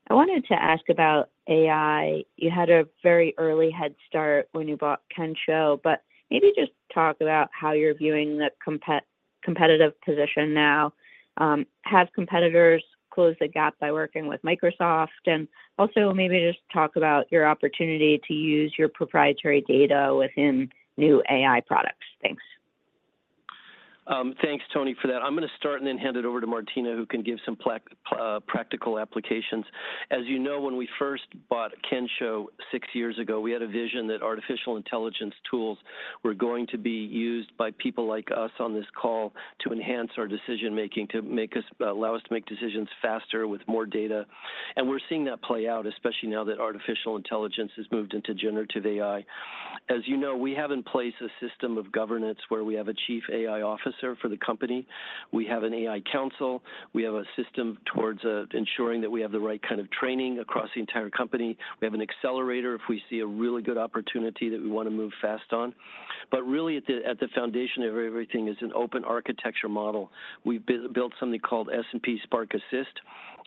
I wanted to ask about AI. You had a very early head start when you bought Kensho, but maybe just talk about how you're viewing the competitive position now. Have competitors closed the gap by working with Microsoft? And also maybe just talk about your opportunity to use your proprietary data within new AI products. Thanks. Thanks, Toni, for that. I'm gonna start and then hand it over to Martina, who can give some practical applications. As you know, when we first bought Kensho six years ago, we had a vision that artificial intelligence tools were going to be used by people like us on this call to enhance our decision-making, to allow us to make decisions faster with more data, and we're seeing that play out, especially now that artificial intelligence has moved into generative AI. As you know, we have in place a system of governance where we have a chief AI officer for the company. We have an AI council. We have a system towards ensuring that we have the right kind of training across the entire company. We have an accelerator if we see a really good opportunity that we wanna move fast on. But really, at the foundation of everything is an open architecture model. We've built something called S&P Spark Assist,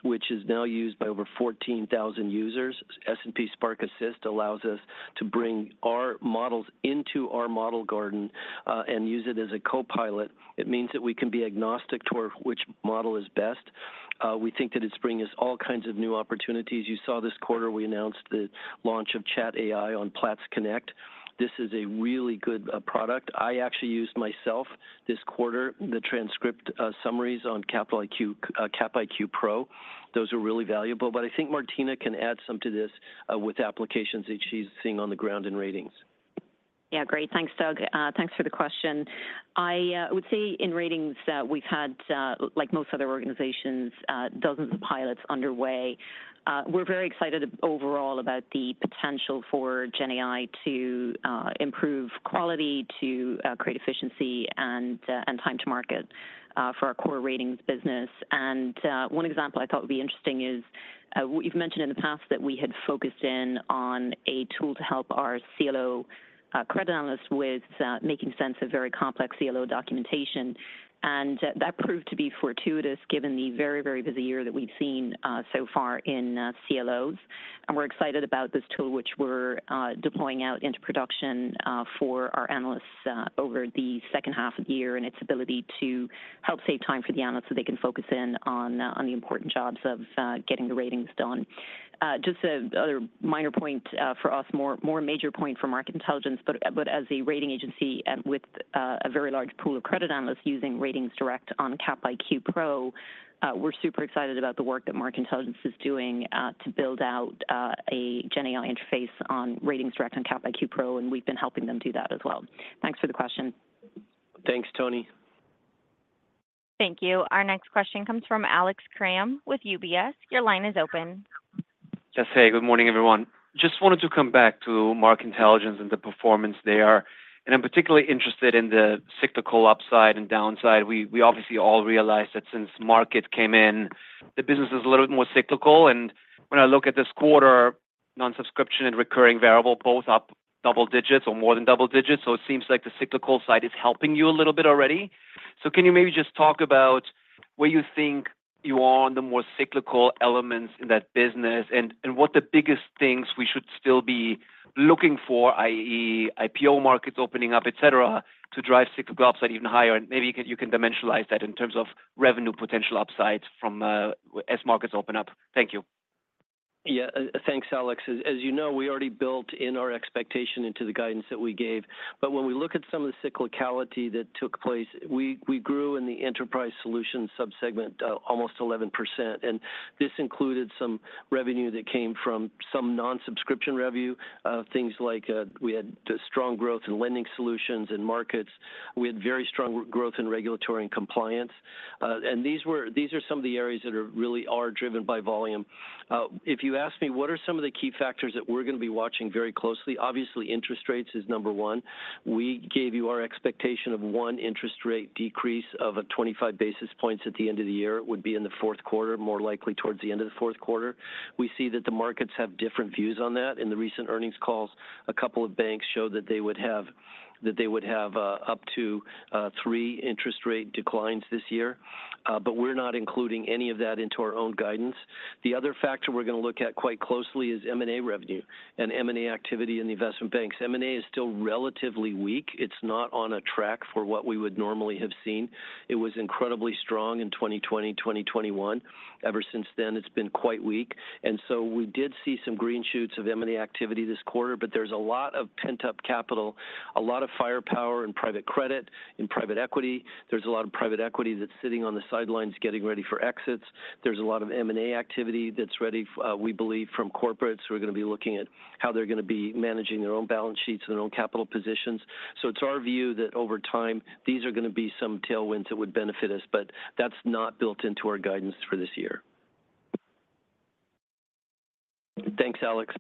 which is now used by over 14,000 users. S&P Spark Assist allows us to bring our models into our model garden, and use it as a copilot. It means that we can be agnostic toward which model is best. We think that it's bringing us all kinds of new opportunities. You saw this quarter, we announced the launch of ChatAI on Platts Connect. This is a really good product. I actually used myself this quarter, the transcript summaries on Capital IQ Pro. Those are really valuable, but I think Martina can add some to this with applications that she's seeing on the ground in Ratings. Yeah, great. Thanks, Doug. Thanks for the question. I would say in Ratings that we've had, like most other organizations, dozens of pilots underway. We're very excited overall about the potential for GenAI to improve quality, to create efficiency, and time to market for our core Ratings business. One example I thought would be interesting is, you've mentioned in the past that we had focused in on a tool to help our CLO credit analysts with making sense of very complex CLO documentation. That proved to be fortuitous, given the very, very busy year that we've seen so far in CLOs. We're excited about this tool, which we're deploying out into production for our analysts over the second half of the year, and its ability to help save time for the analysts so they can focus in on the important jobs of getting the Ratings done. Just another minor point for us, more, more major point for Market Intelligence. But, but as a rating agency and with a very large pool of credit analysts using RatingsDirect on Capital IQ Pro, we're super excited about the work that Market Intelligence is doing to build out a GenAI interface on RatingsDirect on Capital IQ Pro, and we've been helping them do that as well. Thanks for the question. Thanks, Tony. Thank you. Our next question comes from Alex Kram with UBS. Your line is open. Hey, good morning, everyone. Just wanted to come back to Market Intelligence and the performance there. I'm particularly interested in the cyclical upside and downside. We obviously all realize that since Markit came in, the business is a little bit more cyclical. When I look at this quarter, non-subscription and recurring variable, both up double digits or more than double digits. So it seems like the cyclical side is helping you a little bit already. Can you maybe just talk about where you think you are on the more cyclical elements in that business and what the biggest things we should still be looking for, i.e., IPO markets opening up, et cetera, to drive cyclical upside even higher? Maybe you can dimensionalize that in terms of revenue potential upside from as markets open up. Thank you. Yeah. Thanks, Alex. As you know, we already built in our expectation into the guidance that we gave. But when we look at some of the cyclicality that took place, we grew in the enterprise solution subsegment, almost 11%, and this included some revenue that came from some non-subscription revenue, things like, we had strong growth in lending solutions and markets. We had very strong growth in regulatory and compliance. And these are some of the areas that really are driven by volume. If you ask me, what are some of the key factors that we're going to be watching very closely? Obviously, interest rates is number one. We gave you our expectation of one interest rate decrease of 25 basis points at the end of the year. It would be in the fourth quarter, more likely towards the end of the fourth quarter. We see that the markets have different views on that. In the recent earnings calls, a couple of banks showed that they would have up to three interest rate declines this year. But we're not including any of that into our own guidance. The other factor we're going to look at quite closely is M&A revenue and M&A activity in the investment banks. M&A is still relatively weak. It's not on a track for what we would normally have seen. It was incredibly strong in 2020, 2021. Ever since then, it's been quite weak. And so we did see some green shoots of M&A activity this quarter, but there's a lot of pent-up capital, a lot of firepower in private credit and private equity. There's a lot of private equity that's sitting on the sidelines, getting ready for exits. There's a lot of M&A activity that's ready, we believe from corporates. We're going to be looking at how they're going to be managing their own balance sheets and their own capital positions. So it's our view that over time, these are going to be some tailwinds that would benefit us, but that's not built into our guidance for this year. Thanks, Alex.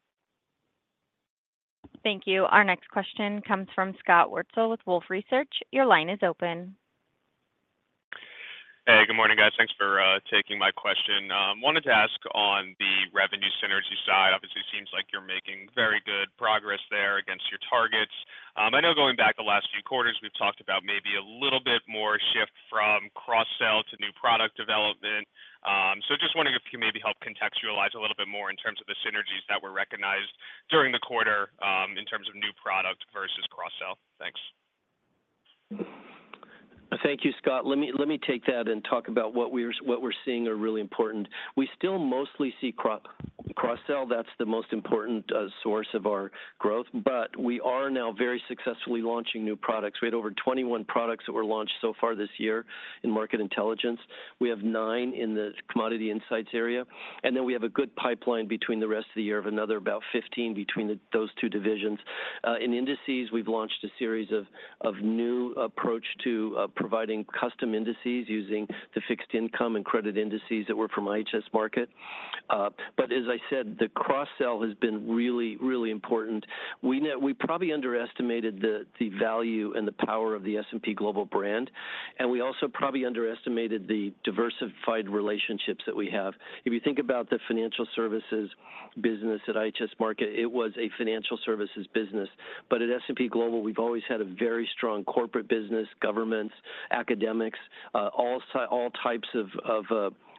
Thank you. Our next question comes from Scott Wurtzel with Wolfe Research. Your line is open. Hey, good morning, guys. Thanks for taking my question. Wanted to ask on the revenue synergy side. Obviously, seems like you're making very good progress there against your targets. I know going back the last few quarters, we've talked about maybe a little bit more shift from cross-sell to new product development. So just wondering if you maybe help contextualize a little bit more in terms of the synergies that were recognized during the quarter, in terms of new product versus cross-sell. Thanks. Thank you, Scott. Let me take that and talk about what we're seeing are really important. We still mostly see cross-sell. That's the most important source of our growth, but we are now very successfully launching new products. We had over 21 products that were launched so far this year in Market Intelligence. We have nine in the Commodity Insights area, and then we have a good pipeline between the rest of the year of another about 15 between those two divisions. In Indices, we've launched a series of new approach to providing custom indices using the fixed income and credit indices that were from IHS Markit. But as I said, the cross-sell has been really, really important. We probably underestimated the value and the power of the S&P Global brand, and we also probably underestimated the diversified relationships that we have. If you think about the financial services business at IHS Markit, it was a financial services business. But at S&P Global, we've always had a very strong corporate business, governments, academics, all types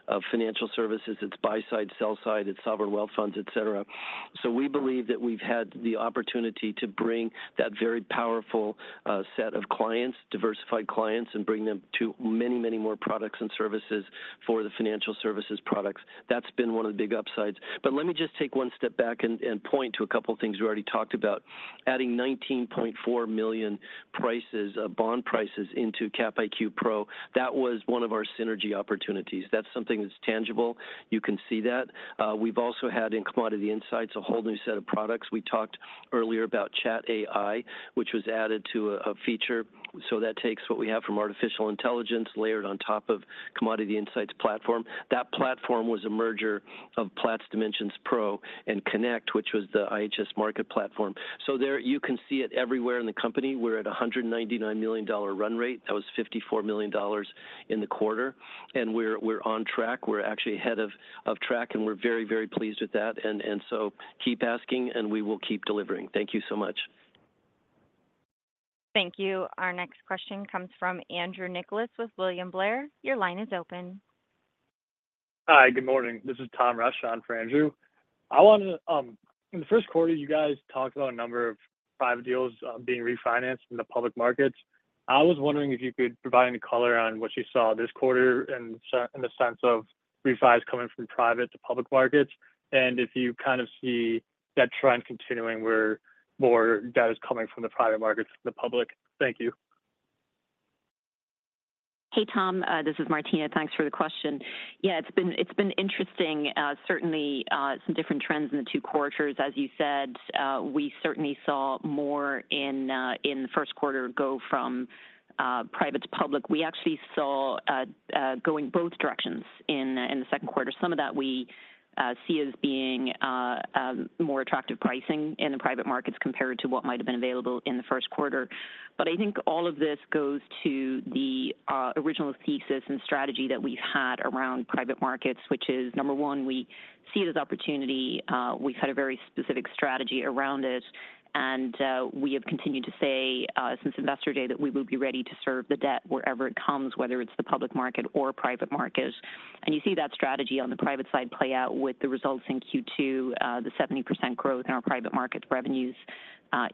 of financial services. It's buy side, sell side, it's sovereign wealth funds, et cetera. So we believe that we've had the opportunity to bring that very powerful set of clients, diversified clients, and bring them to many, many more products and services for the financial services products. That's been one of the big upsides. But let me just take one step back and point to a couple of things we already talked about. Adding 19.4 million prices, bond prices into Capital IQ Pro, that was one of our synergy opportunities. That's something that's tangible. You can see that. We've also had in Commodity Insights, a whole new set of products. We talked earlier about ChatAI, which was added to a feature. So that takes what we have from artificial intelligence, layered on top of Commodity Insights platform. That platform was a merger of Platts Dimensions Pro and Connect, which was the IHS Markit platform. So there you can see it everywhere in the company. We're at a $199 million run rate. That was $54 million in the quarter, and we're on track. We're actually ahead of track, and we're very, very pleased with that, and so keep asking, and we will keep delivering. Thank you so much. Thank you. Our next question comes from Andrew Nicholas with William Blair. Your line is open. Hi, good morning. This is Tom Rush on for Andrew. I wanted to, in the first quarter, you guys talked about a number of private deals, being refinanced in the public markets. I was wondering if you could provide any color on what you saw this quarter in in the sense of refis coming from private to public markets, and if you kind of see that trend continuing where more debt is coming from the private markets to the public? Thank you. Hey, Tom, this is Martina. Thanks for the question. Yeah, it's been, it's been interesting, certainly, some different trends in the two quarters. As you said, we certainly saw more in, in the first quarter go from, private to public. We actually saw, going both directions in, in the second quarter. Some of that we see as being, more attractive pricing in the private markets compared to what might have been available in the first quarter. But I think all of this goes to the, original thesis and strategy that we've had around private markets, which is, number one, we see it as opportunity. We've had a very specific strategy around it, and we have continued to say, since Investor Day, that we will be ready to serve the debt wherever it comes, whether it's the public market or private market. And you see that strategy on the private side play out with the results in Q2, the 70% growth in our private markets revenues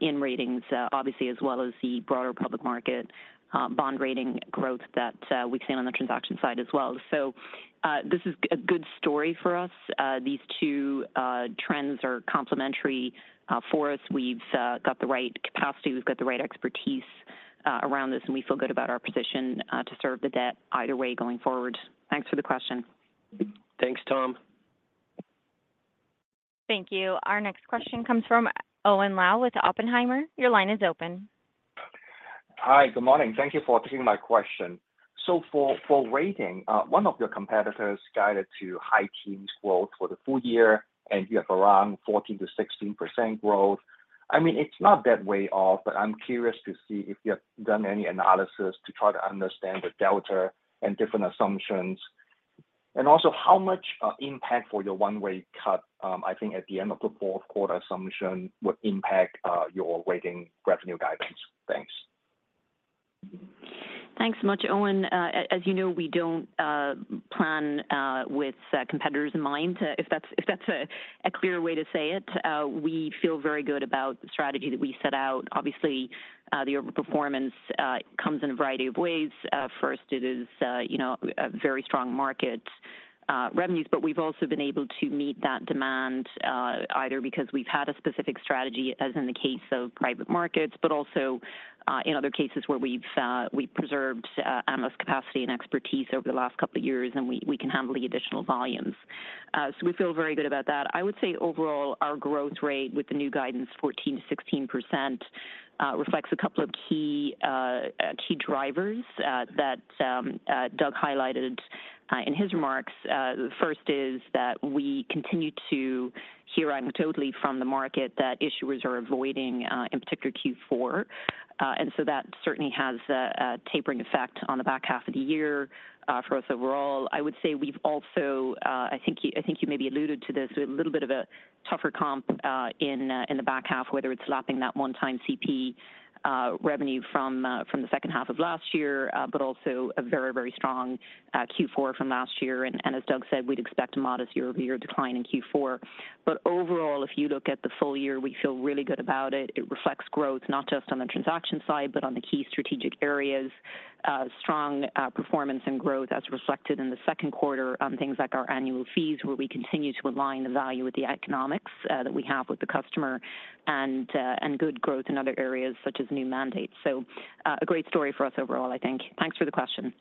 in Ratings, obviously, as well as the broader public market bond rating growth that we've seen on the transaction side as well. So, this is a good story for us. These two trends are complementary for us. We've got the right capacity, we've got the right expertise around this, and we feel good about our position to serve the debt either way going forward. Thanks for the question. Thanks, Tom. Thank you. Our next question comes from Owen Lau with Oppenheimer. Your line is open. Hi, good morning. Thank you for taking my question. So for Ratings, one of your competitors guided to high teens growth for the full year, and you have around 14%-16% growth. I mean, it's not that way off, but I'm curious to see if you have done any analysis to try to understand the delta and different assumptions. And also, how much impact for your rate cut, I think at the end of the fourth quarter assumption, would impact your Ratings revenue guidance? Thanks. Thanks much, Owen. As you know, we don't plan with competitors in mind, if that's a clear way to say it. We feel very good about the strategy that we set out. Obviously, the overall performance comes in a variety of ways. First, it is, you know, a very strong market revenues, but we've also been able to meet that demand, either because we've had a specific strategy, as in the case of private markets, but also, in other cases where we've we preserved analyst capacity and expertise over the last couple of years, and we, we can handle the additional volumes. So we feel very good about that. I would say overall, our growth rate with the new guidance, 14%-16%, reflects a couple of key drivers that Doug highlighted in his remarks. The first is that we continue to hear anecdotally from the market that issuers are avoiding, in particular, Q4, and so that certainly has a tapering effect on the back half of the year, for us overall. I would say we've also, I think you, I think you maybe alluded to this, a little bit of a tougher comp in the back half, whether it's lapping that one-time CP revenue from the second half of last year, but also a very, very strong Q4 from last year. As Doug said, we'd expect a modest year-over-year decline in Q4. But overall, if you look at the full year, we feel really good about it. It reflects growth not just on the transaction side, but on the key strategic areas. Strong, performance and growth as reflected in the second quarter on things like our annual fees, where we continue to align the value with the economics, that we have with the customer and, and good growth in other areas such as new mandates. So, a great story for us overall, I think. Thanks for the question.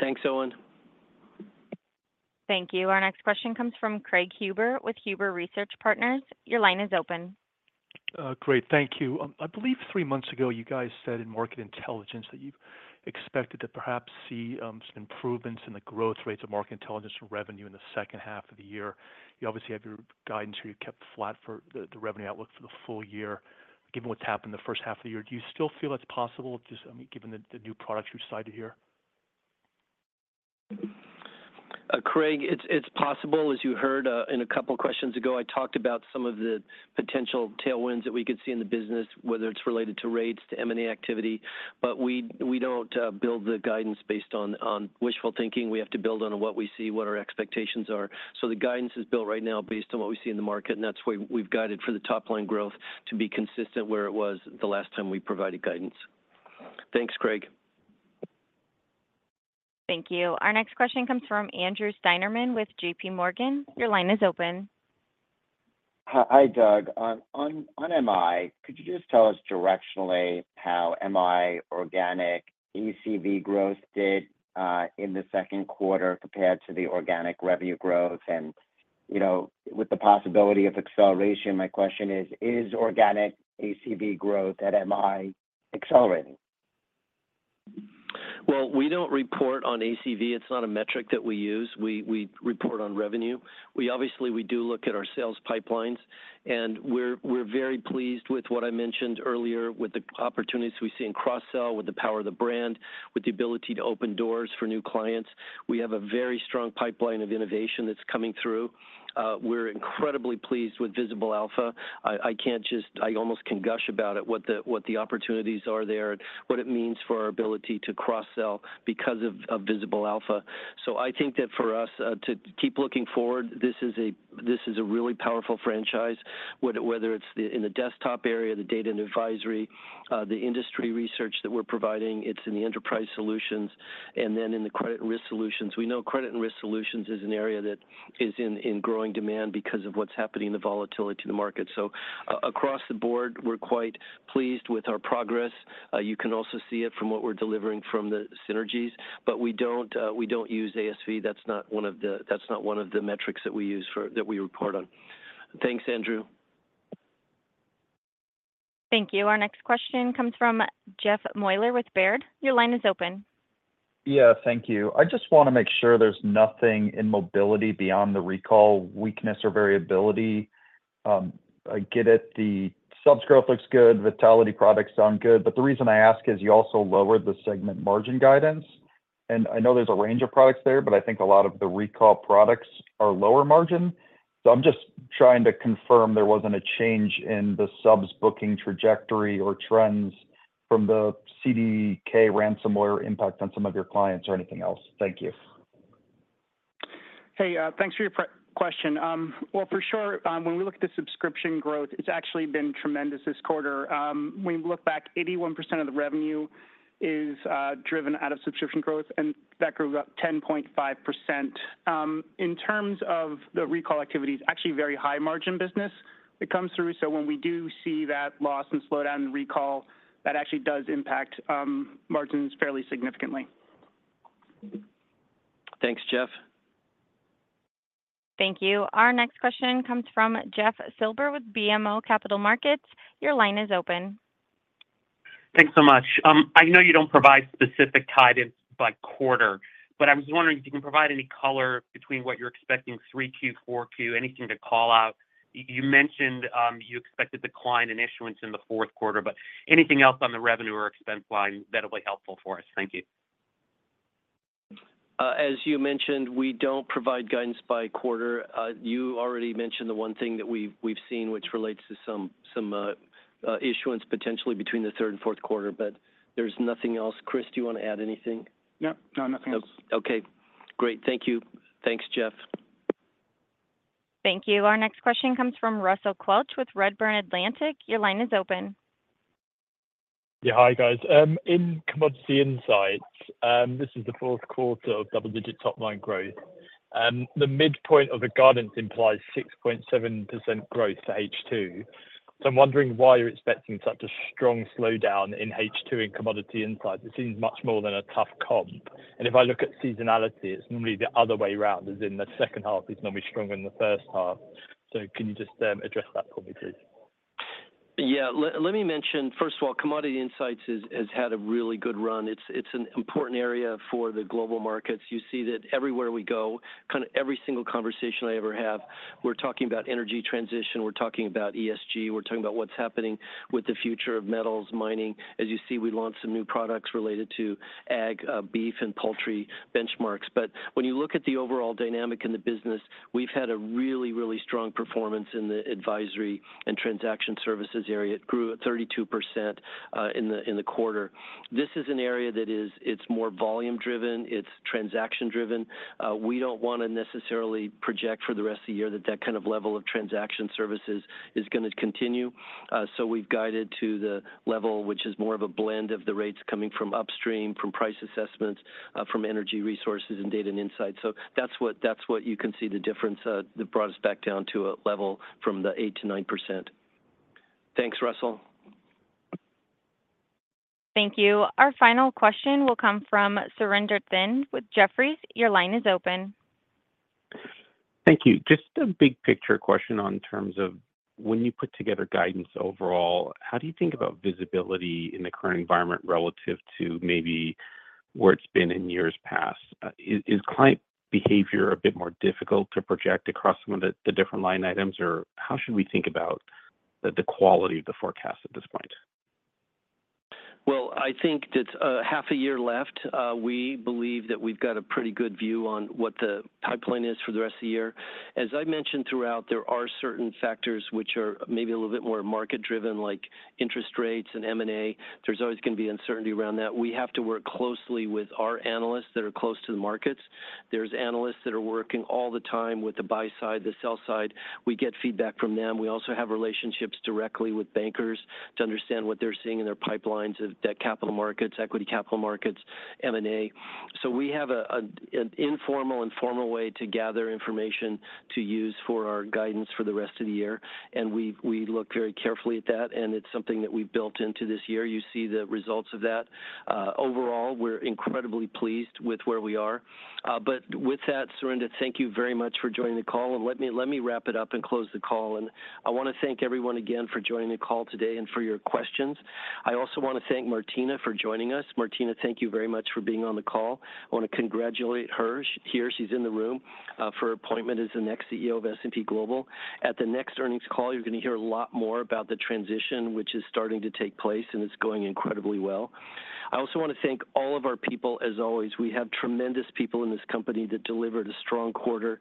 Thanks, Owen. Thank you. Our next question comes from Craig Huber with Huber Research Partners. Your line is open. Great, thank you. I believe three months ago, you guys said in Market Intelligence that you expected to perhaps see some improvements in the growth rates of Market Intelligence revenue in the second half of the year. You obviously have your guidance here. You kept flat for the revenue outlook for the full year. Given what's happened in the first half of the year, do you still feel that's possible, just, I mean, given the new products you've cited here? Craig, it's possible, as you heard in a couple of questions ago, I talked about some of the potential tailwinds that we could see in the business, whether it's related to rates, to M&A activity, but we don't build the guidance based on wishful thinking. We have to build on what we see, what our expectations are. So the guidance is built right now based on what we see in the market, and that's why we've guided for the top line growth to be consistent where it was the last time we provided guidance. Thanks, Craig. Thank you. Our next question comes from Andrew Steinerman with JPMorgan. Your line is open. Hi, Doug. On MI, could you just tell us directionally how MI organic ACV growth did in the second quarter compared to the organic revenue growth? And, you know, with the possibility of acceleration, my question is, is organic ACV growth at MI accelerating? Well, we don't report on ACV. It's not a metric that we use. We, we report on revenue. We obviously, we do look at our sales pipelines, and we're, we're very pleased with what I mentioned earlier, with the opportunities we see in cross-sell, with the power of the brand, with the ability to open doors for new clients. We have a very strong pipeline of innovation that's coming through. We're incredibly pleased with Visible Alpha. I, I can't just—I almost can gush about it, what the, what the opportunities are there and what it means for our ability to cross-sell because of, of Visible Alpha. So I think that for us, to keep looking forward, this is a, this is a really powerful franchise, whether it's the, in the desktop area, the data and advisory, the industry research that we're providing, it's in the enterprise solutions, and then in the Credit & Risk Solutions. We know Credit & Risk Solutions is an area that is in, in growing demand because of what's happening in the volatility in the market. So across the board, we're quite pleased with our progress. You can also see it from what we're delivering from the synergies, but we don't, we don't use ACV. That's not one of the, that's not one of the metrics that we use for-- that we report on. Thanks, Andrew. Thank you. Our next question comes from Jeff Meuler with Baird. Your line is open. Yeah, thank you. I just want to make sure there's nothing in Mobility beyond the recall, weakness or variability. I get it, the subs growth looks good, vitality products sound good, but the reason I ask is you also lowered the segment margin guidance. And I know there's a range of products there, but I think a lot of the recall products are lower margin. So I'm just trying to confirm there wasn't a change in the subs booking trajectory or trends from the CDK ransomware impact on some of your clients or anything else. Thank you. Hey, thanks for your previous question. Well, for sure, when we look at the subscription growth, it's actually been tremendous this quarter. When you look back, 81% of the revenue is driven out of subscription growth, and that grew up 10.5%. In terms of the recall activity, it's actually a very high margin business that comes through. So when we do see that loss and slowdown in recall, that actually does impact margins fairly significantly. Thanks, Jeff. Thank you. Our next question comes from Jeff Silber with BMO Capital Markets. Your line is open. Thanks so much. I know you don't provide specific guidance by quarter, but I was wondering if you can provide any color between what you're expecting 3Q, 4Q, anything to call out. You mentioned you expected decline in issuance in the fourth quarter, but anything else on the revenue or expense line that'll be helpful for us? Thank you. As you mentioned, we don't provide guidance by quarter. You already mentioned the one thing that we've seen, which relates to some issuance potentially between the third and fourth quarter, but there's nothing else. Chris, do you want to add anything? Nope. No, nothing else. Okay, great. Thank you. Thanks, Jeff. Thank you. Our next question comes from Russell Quelch with Redburn Atlantic. Your line is open. Yeah, hi, guys. In Commodity Insights, this is the fourth quarter of double-digit top-line growth. The midpoint of the guidance implies 6.7% growth for H2. So I'm wondering why you're expecting such a strong slowdown in H2 in Commodity Insights. It seems much more than a tough comp. And if I look at seasonality, it's normally the other way around, as in the second half is normally stronger than the first half. So can you just address that for me, please? Yeah. Let me mention, first of all, Commodity Insights has had a really good run. It's an important area for the global markets. You see that everywhere we go, kind of every single conversation I ever have, we're talking about energy transition, we're talking about ESG, we're talking about what's happening with the future of metals mining. As you see, we launched some new products related to ag, beef, and poultry benchmarks. But when you look at the overall dynamic in the business, we've had a really, really strong performance in the advisory and transaction services area. It grew at 32% in the quarter. This is an area that is, it's more volume-driven, it's transaction-driven. We don't want to necessarily project for the rest of the year that that kind of level of transaction services is going to continue. So we've guided to the level, which is more of a blend of the rates coming from upstream, from Price Assessments, from energy resources and data and insights. So that's what, that's what you can see the difference, that brought us back down to a level from the 8%-9%. Thanks, Russell. Thank you. Our final question will come from Surinder Thind with Jefferies. Your line is open. Thank you. Just a big picture question in terms of when you put together guidance overall, how do you think about visibility in the current environment relative to maybe where it's been in years past? Is client behavior a bit more difficult to project across some of the different line items? Or how should we think about the quality of the forecast at this point? Well, I think that, half a year left, we believe that we've got a pretty good view on what the pipeline is for the rest of the year. As I've mentioned throughout, there are certain factors which are maybe a little bit more market-driven, like interest rates and M&A. There's always going to be uncertainty around that. We have to work closely with our analysts that are close to the markets. There's analysts that are working all the time with the buy side, the sell side. We get feedback from them. We also have relationships directly with bankers to understand what they're seeing in their pipelines of debt capital markets, equity capital markets, M&A. We have an informal and formal way to gather information to use for our guidance for the rest of the year, and we look very carefully at that, and it's something that we've built into this year. You see the results of that. Overall, we're incredibly pleased with where we are. But with that, Surinder, thank you very much for joining the call, and let me wrap it up and close the call. I want to thank everyone again for joining the call today and for your questions. I also want to thank Martina for joining us. Martina, thank you very much for being on the call. I want to congratulate her. She's here, she's in the room, for her appointment as the next CEO of S&P Global. At the next earnings call, you're going to hear a lot more about the transition, which is starting to take place, and it's going incredibly well. I also want to thank all of our people as always. We have tremendous people in this company that delivered a strong quarter.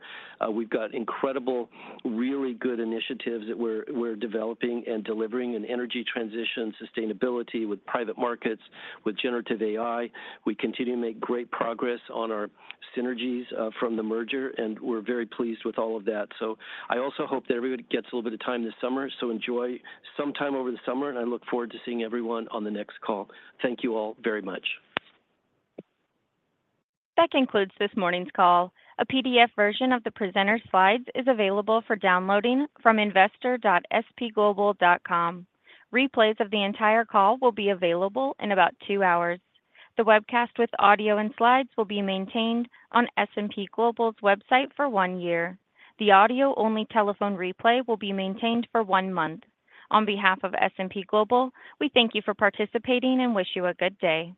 We've got incredible, really good initiatives that we're, we're developing and delivering in energy transition, sustainability with private markets, with generative AI. We continue to make great progress on our synergies from the merger, and we're very pleased with all of that. So I also hope that everybody gets a little bit of time this summer, so enjoy some time over the summer, and I look forward to seeing everyone on the next call. Thank you all very much. That concludes this morning's call. A PDF version of the presenter's slides is available for downloading from investor.spglobal.com. Replays of the entire call will be available in about two hours. The webcast with audio and slides will be maintained on S&P Global's website for one year. The audio-only telephone replay will be maintained for one month. On behalf of S&P Global, we thank you for participating and wish you a good day.